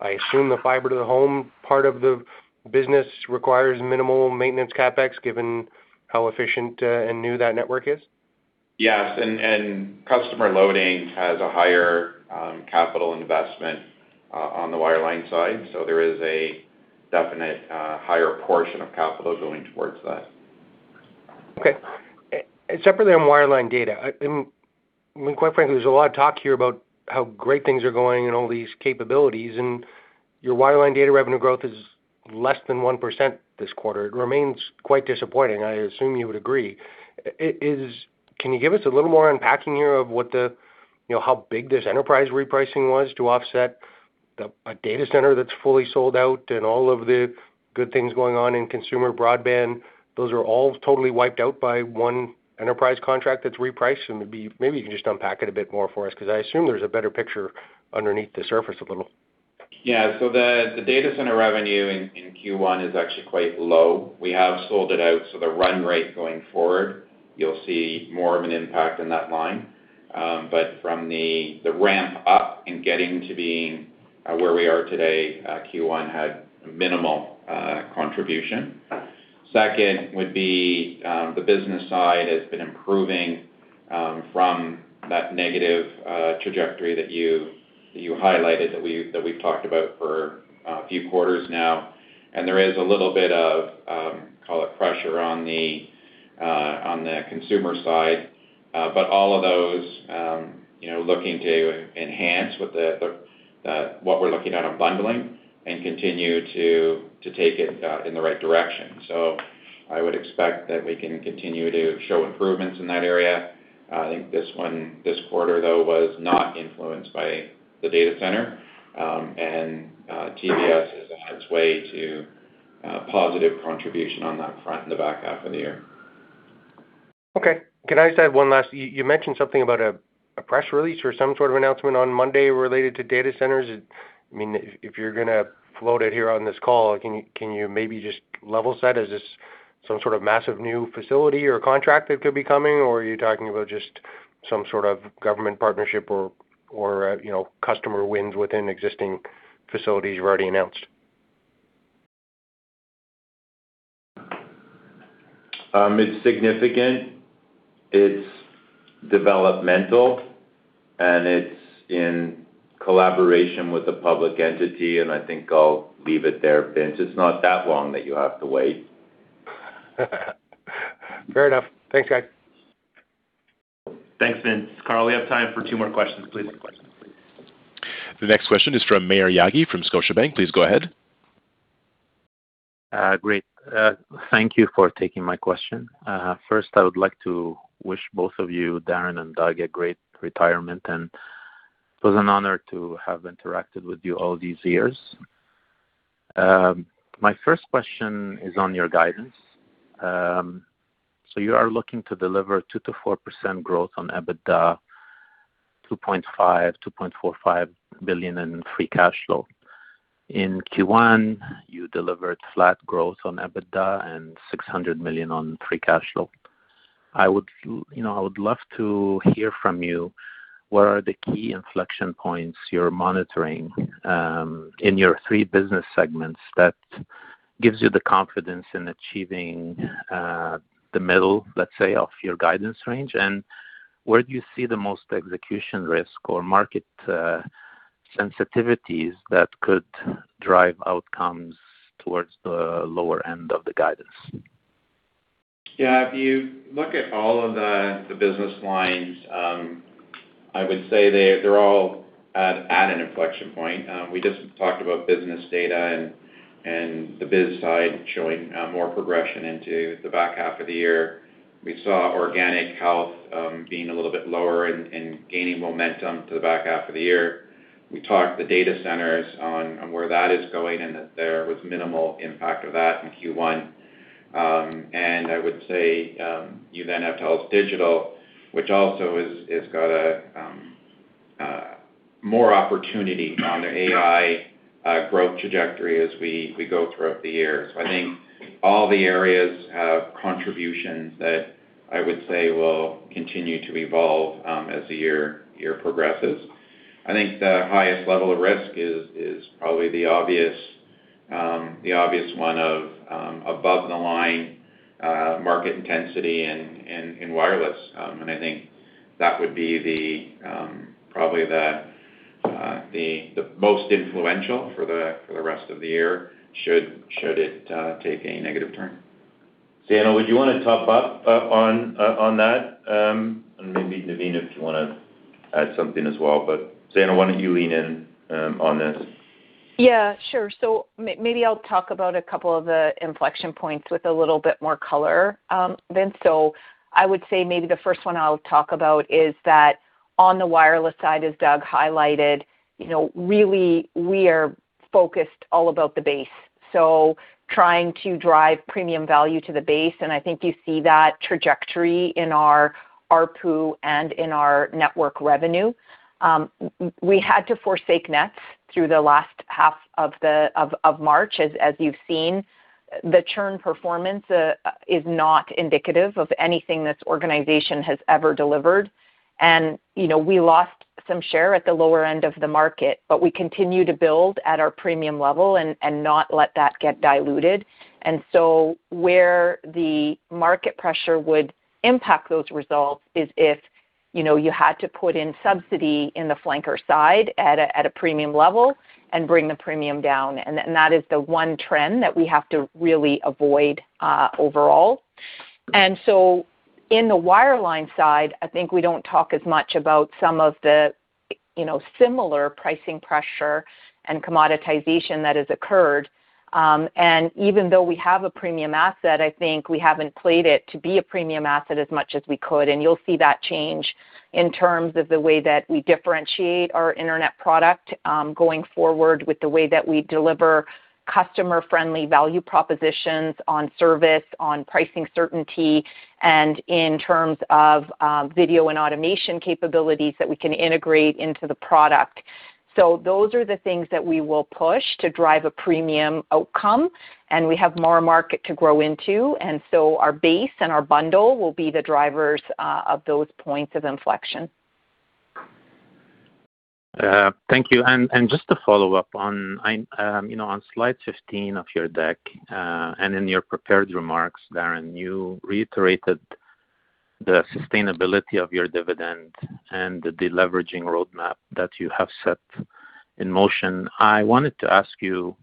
I assume the fiber to the home part of the business requires minimal maintenance CapEx, given how efficient and new that network is. Yes. Customer loading has a higher, capital investment on the wireline side. There is a definite, higher portion of capital going towards that. Okay. Separately on wireline data. Quite frankly, there's a lot of talk here about how great things are going and all these capabilities, your wireline data revenue growth is less than 1% this quarter. It remains quite disappointing. I assume you would agree. Can you give us a little more unpacking here of what the, you know, how big this enterprise repricing was to offset a data center that's fully sold out and all of the good things going on in consumer broadband? Those are all totally wiped out by one enterprise contract that's repriced. Maybe you can just unpack it a bit more for us, 'cause I assume there's a better picture underneath the surface a little. The data center revenue in Q1 is actually quite low. We have sold it out, so the run rate going forward, you'll see more of an impact in that line. From the ramp up in getting to being where we are today, Q1 had minimal contribution. Second would be, the business side has been improving from that negative trajectory that you, that you highlighted, that we, that we've talked about for a few quarters now. There is a little bit of, call it pressure on the consumer side. All of those, you know, looking to enhance with the, the, what we're looking at on bundling and continue to take it in the right direction. I would expect that we can continue to show improvements in that area. I think this one, this quarter, though, was not influenced by the data center. TBS is on its way to positive contribution on that front in the back half of the year. Okay. Can I just add one last. You mentioned something about a press release or some sort of announcement on Monday related to data centers. I mean, if you're gonna float it here on this call, can you maybe just level set? Is this some sort of massive new facility or contract that could be coming, or, you know, customer wins within existing facilities you've already announced? It's significant, it's developmental, and it's in collaboration with a public entity, and I think I'll leave it there, Vince. It's not that long that you have to wait. Fair enough. Thanks, guys. Thanks, Vince. Carl, we have time for two more questions, please. The next question is from Maher Yaghi from Scotiabank. Please go ahead. Great. Thank you for taking my question. First, I would like to wish both of you, Darren and Doug, a great retirement, and it was an honor to have interacted with you all these years. My first question is on your guidance. You are looking to deliver 2%-4% growth on EBITDA, 2.45 billion in free cash flow. In Q1, you delivered flat growth on EBITDA and 600 million on free cash flow. I would, you know, I would love to hear from you. What are the key inflection points you're monitoring in your three business segments that gives you the confidence in achieving the middle, let's say, of your guidance range? Where do you see the most execution risk or market sensitivities that could drive outcomes towards the lower end of the guidance? If you look at all of the business lines, I would say they're all at an inflection point. We just talked about business data and the biz side showing more progression into the back half of the year. We saw organic health being a little bit lower and gaining momentum to the back half of the year. We talked the data centers on where that is going, and that there was minimal impact of that in Q1. I would say, you then have TELUS Digital, which also is got a more opportunity on the AI growth trajectory as we go throughout the year. I think all the areas have contributions that I would say will continue to evolve as the year progresses. I think the highest level of risk is probably the obvious, the obvious one of, above the line, market intensity in wireless. I think that would be probably the most influential for the rest of the year should it take a negative turn. Zain, would you wanna top up on that? Maybe Navin, if you wanna add something as well. Zain, why don't you lean in on this? Yeah, sure. Maybe I'll talk about a couple of the inflection points with a little bit more color than so. I would say maybe the first one I'll talk about is that on the wireless side, as Doug highlighted, you know, really we are focused all about the base, so trying to drive premium value to the base. I think you see that trajectory in our ARPU and in our network revenue. We had to forsake nets through the last half of March, as you've seen. The churn performance is not indicative of anything this organization has ever delivered. You know, we lost some share at the lower end of the market, but we continue to build at our premium level and not let that get diluted. Where the market pressure would impact those results is if, you know, you had to put in subsidy in the flanker side at a premium level and bring the premium down. That is the one trend that we have to really avoid overall. In the wireline side, I think we don't talk as much about some of the, you know, similar pricing pressure and commoditization that has occurred. Even though we have a premium asset, I think we haven't played it to be a premium asset as much as we could. You'll see that change in terms of the way that we differentiate our Internet product going forward with the way that we deliver customer-friendly value propositions on service, on pricing certainty, and in terms of video and automation capabilities that we can integrate into the product. Those are the things that we will push to drive a premium outcome, and we have more market to grow into. Our base and our bundle will be the drivers of those points of inflection. Thank you. Just to follow up on I, you know, on slide 15 of your deck, and in your prepared remarks, Darren, you reiterated the sustainability of your dividend and the deleveraging roadmap that you have set in motion. I wanted to ask you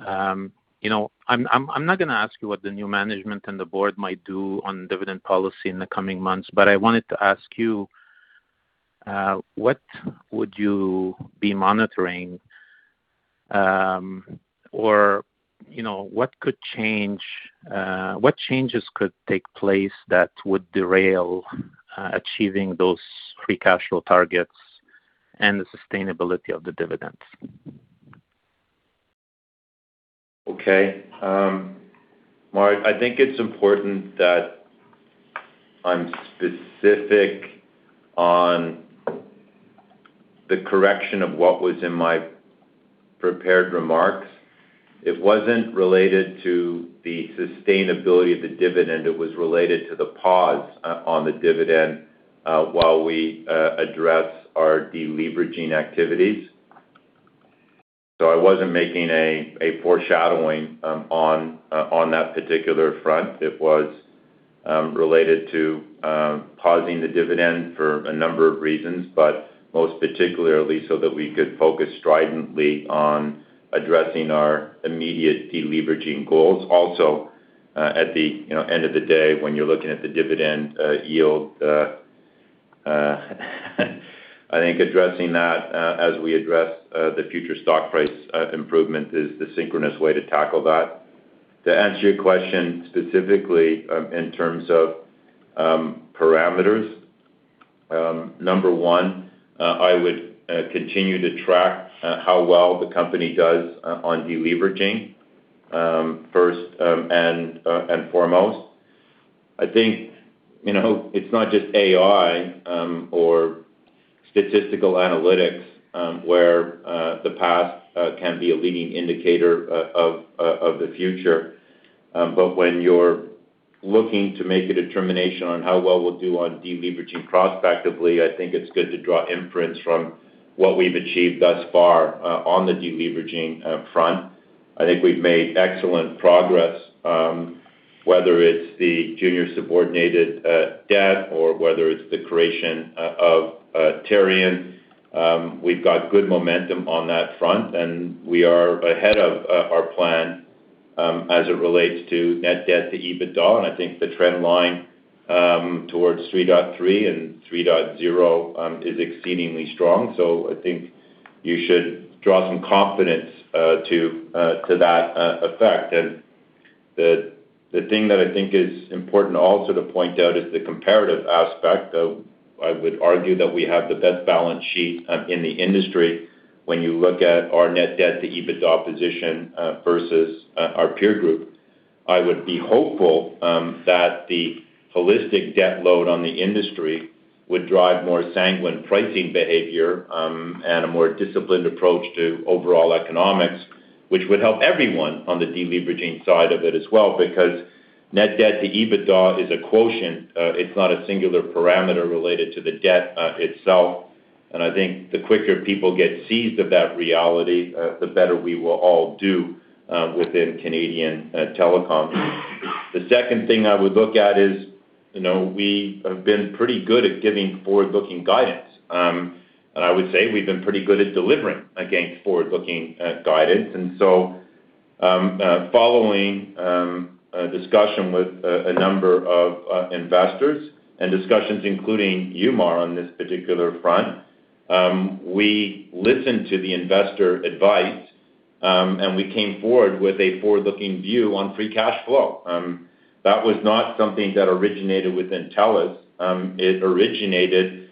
know, I'm not gonna ask you what the new management and the board might do on dividend policy in the coming months, but I wanted to ask you, what would you be monitoring, or, you know, what changes could take place that would derail achieving those free cash flow targets and the sustainability of the dividends? Okay. Maher, I think it's important that I'm specific on the correction of what was in my prepared remarks. It wasn't related to the sustainability of the dividend. It was related to the pause on the dividend while we address our deleveraging activities. I wasn't making a foreshadowing on that particular front. It was related to pausing the dividend for a number of reasons, but most particularly so that we could focus stridently on addressing our immediate deleveraging goals. At the, you know, end of the day, when you're looking at the dividend yield, I think addressing that as we address the future stock price improvement is the synchronous way to tackle that. To answer your question specifically, in terms of parameters, number one, I would continue to track how well the company does on deleveraging, first and foremost. I think, you know, it's not just AI or statistical analytics where the past can be a leading indicator of the future. But when you're looking to make a determination on how well we'll do on deleveraging prospectively, I think it's good to draw inference from what we've achieved thus far on the deleveraging front. I think we've made excellent progress, whether it's the junior subordinated debt or whether it's the creation of Terrion. We've got good momentum on that front, and we are ahead of our plan, as it relates to net debt-to-EBITDA. I think the trend line towards 3.3 and 3.0 is exceedingly strong. I think you should draw some confidence to to that effect. The thing that I think is important also to point out is the comparative aspect of, I would argue that we have the best balance sheet in the industry when you look at our net debt-to-EBITDA position versus our peer group. I would be hopeful that the holistic debt load on the industry would drive more sanguine pricing behavior and a more disciplined approach to overall economics, which would help everyone on the deleveraging side of it as well, because net debt-to-EBITDA is a quotient. It's not a singular parameter related to the debt itself. I think the quicker people get seized of that reality, the better we will all do within Canadian Telecom. The second thing I would look at is, you know, we have been pretty good at giving forward-looking guidance. I would say we've been pretty good at delivering against forward-looking guidance. Following a discussion with a number of investors and discussions, including you, Maher, on this particular front, we listened to the investor advice, and we came forward with a forward-looking view on free cash flow. That was not something that originated within TELUS. It originated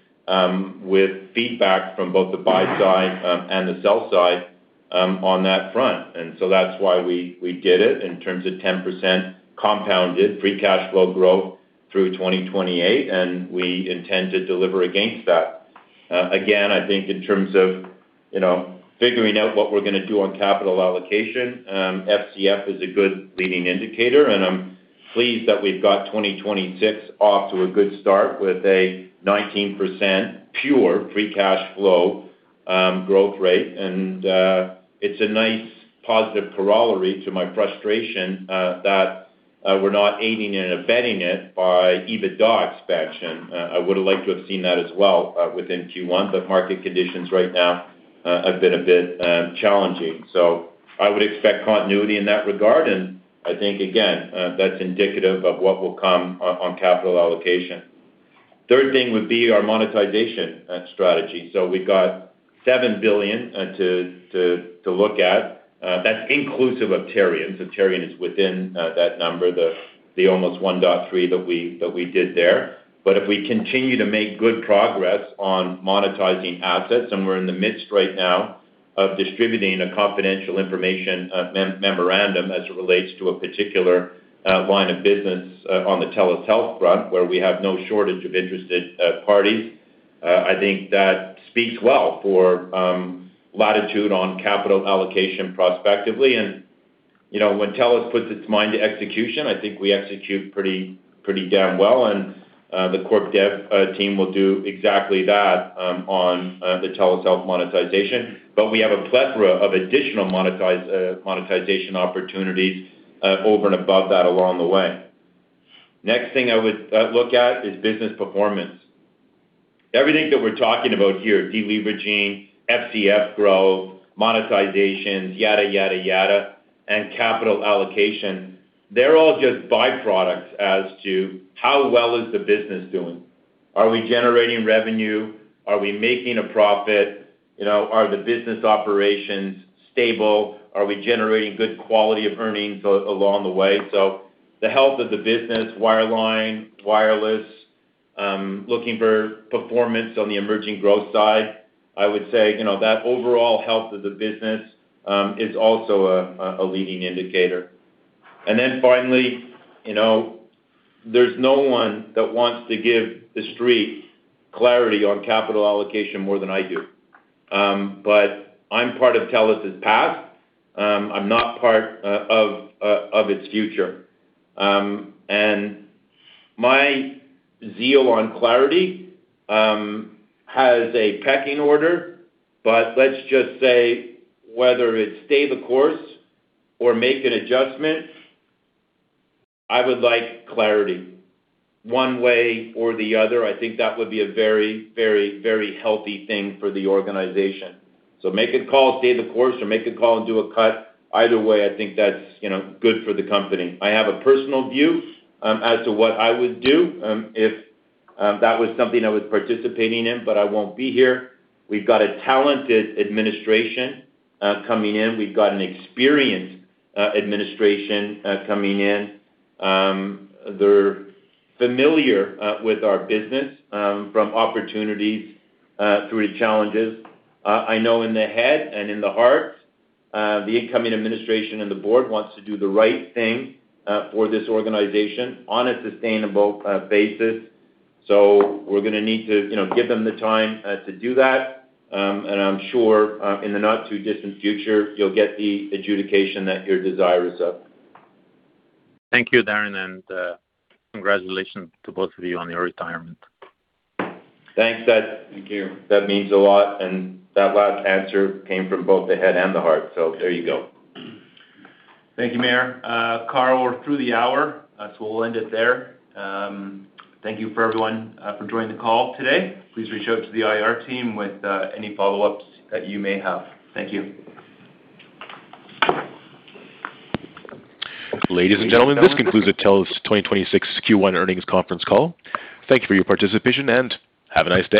with feedback from both the buy side and the sell side on that front. That's why we did it in terms of 10% compounded free cash flow growth through 2028, and we intend to deliver against that. Again, I think in terms of, you know, figuring out what we're gonna do on capital allocation, FCF is a good leading indicator, I'm pleased that we've got 2026 off to a good start with a 19% pure free cash flow growth rate. It's a nice positive corollary to my frustration that we're not aiding and abetting it by EBITDA expansion. I would have liked to have seen that as well within Q1, market conditions right now have been a bit challenging. I would expect continuity in that regard. I think, again, that's indicative of what will come on capital allocation. Third thing would be our monetization strategy. We've got 7 billion to look at. That's inclusive of Terrion. Terrion is within that number, the almost 1.3 that we did there. If we continue to make good progress on monetizing assets, and we're in the midst right now of distributing a confidential information memorandum as it relates to a particular line of business on the TELUS Health front, where we have no shortage of interested parties, I think that speaks well for latitude on capital allocation prospectively. You know, when TELUS puts its mind to execution, I think we execute pretty damn well. The corp dev team will do exactly that on the TELUS Health monetization. We have a plethora of additional monetization opportunities over and above that along the way. Next thing I would look at is business performance. Everything that we're talking about here, deleveraging, FCF growth, monetization, yada, yada, and capital allocation, they're all just byproducts as to how well is the business doing. Are we generating revenue? Are we making a profit? You know, are the business operations stable? Are we generating good quality of earnings along the way? The health of the business, wireline, wireless, looking for performance on the emerging growth side, I would say, you know, that overall health of the business is also a leading indicator. Finally, you know, there's no one that wants to give the street clarity on capital allocation more than I do. I'm part of TELUS's past, I'm not part of its future. My zeal on clarity has a pecking order. Let's just say whether it's stay the course or make an adjustment, I would like clarity one way or the other. I think that would be a very, very, very healthy thing for the organization. Make a call, stay the course, or make a call and do a cut. Either way, I think that's, you know, good for the company. I have a personal view as to what I would do if that was something I was participating in, but I won't be here. We've got a talented administration coming in. We've got an experienced administration coming in. They're familiar with our business from opportunities through to challenges. I know in the head and in the heart, the incoming administration and the board wants to do the right thing for this organization on a sustainable basis. We're gonna need to, you know, give them the time to do that. I'm sure, in the not-too-distant future, you'll get the adjudication that your desirous of. Thank you, Darren, and congratulations to both of you on your retirement. Thanks. Thank you. That means a lot. That last answer came from both the head and the heart. There you go. Thank you, Maher. Carl, we're through the hour, so we'll end it there. Thank you for everyone for joining the call today. Please reach out to the IR team with any follow-ups that you may have. Thank you. Ladies and gentlemen, this concludes the TELUS 2026 Q1 earnings conference call. Thank you for your participation and have a nice day.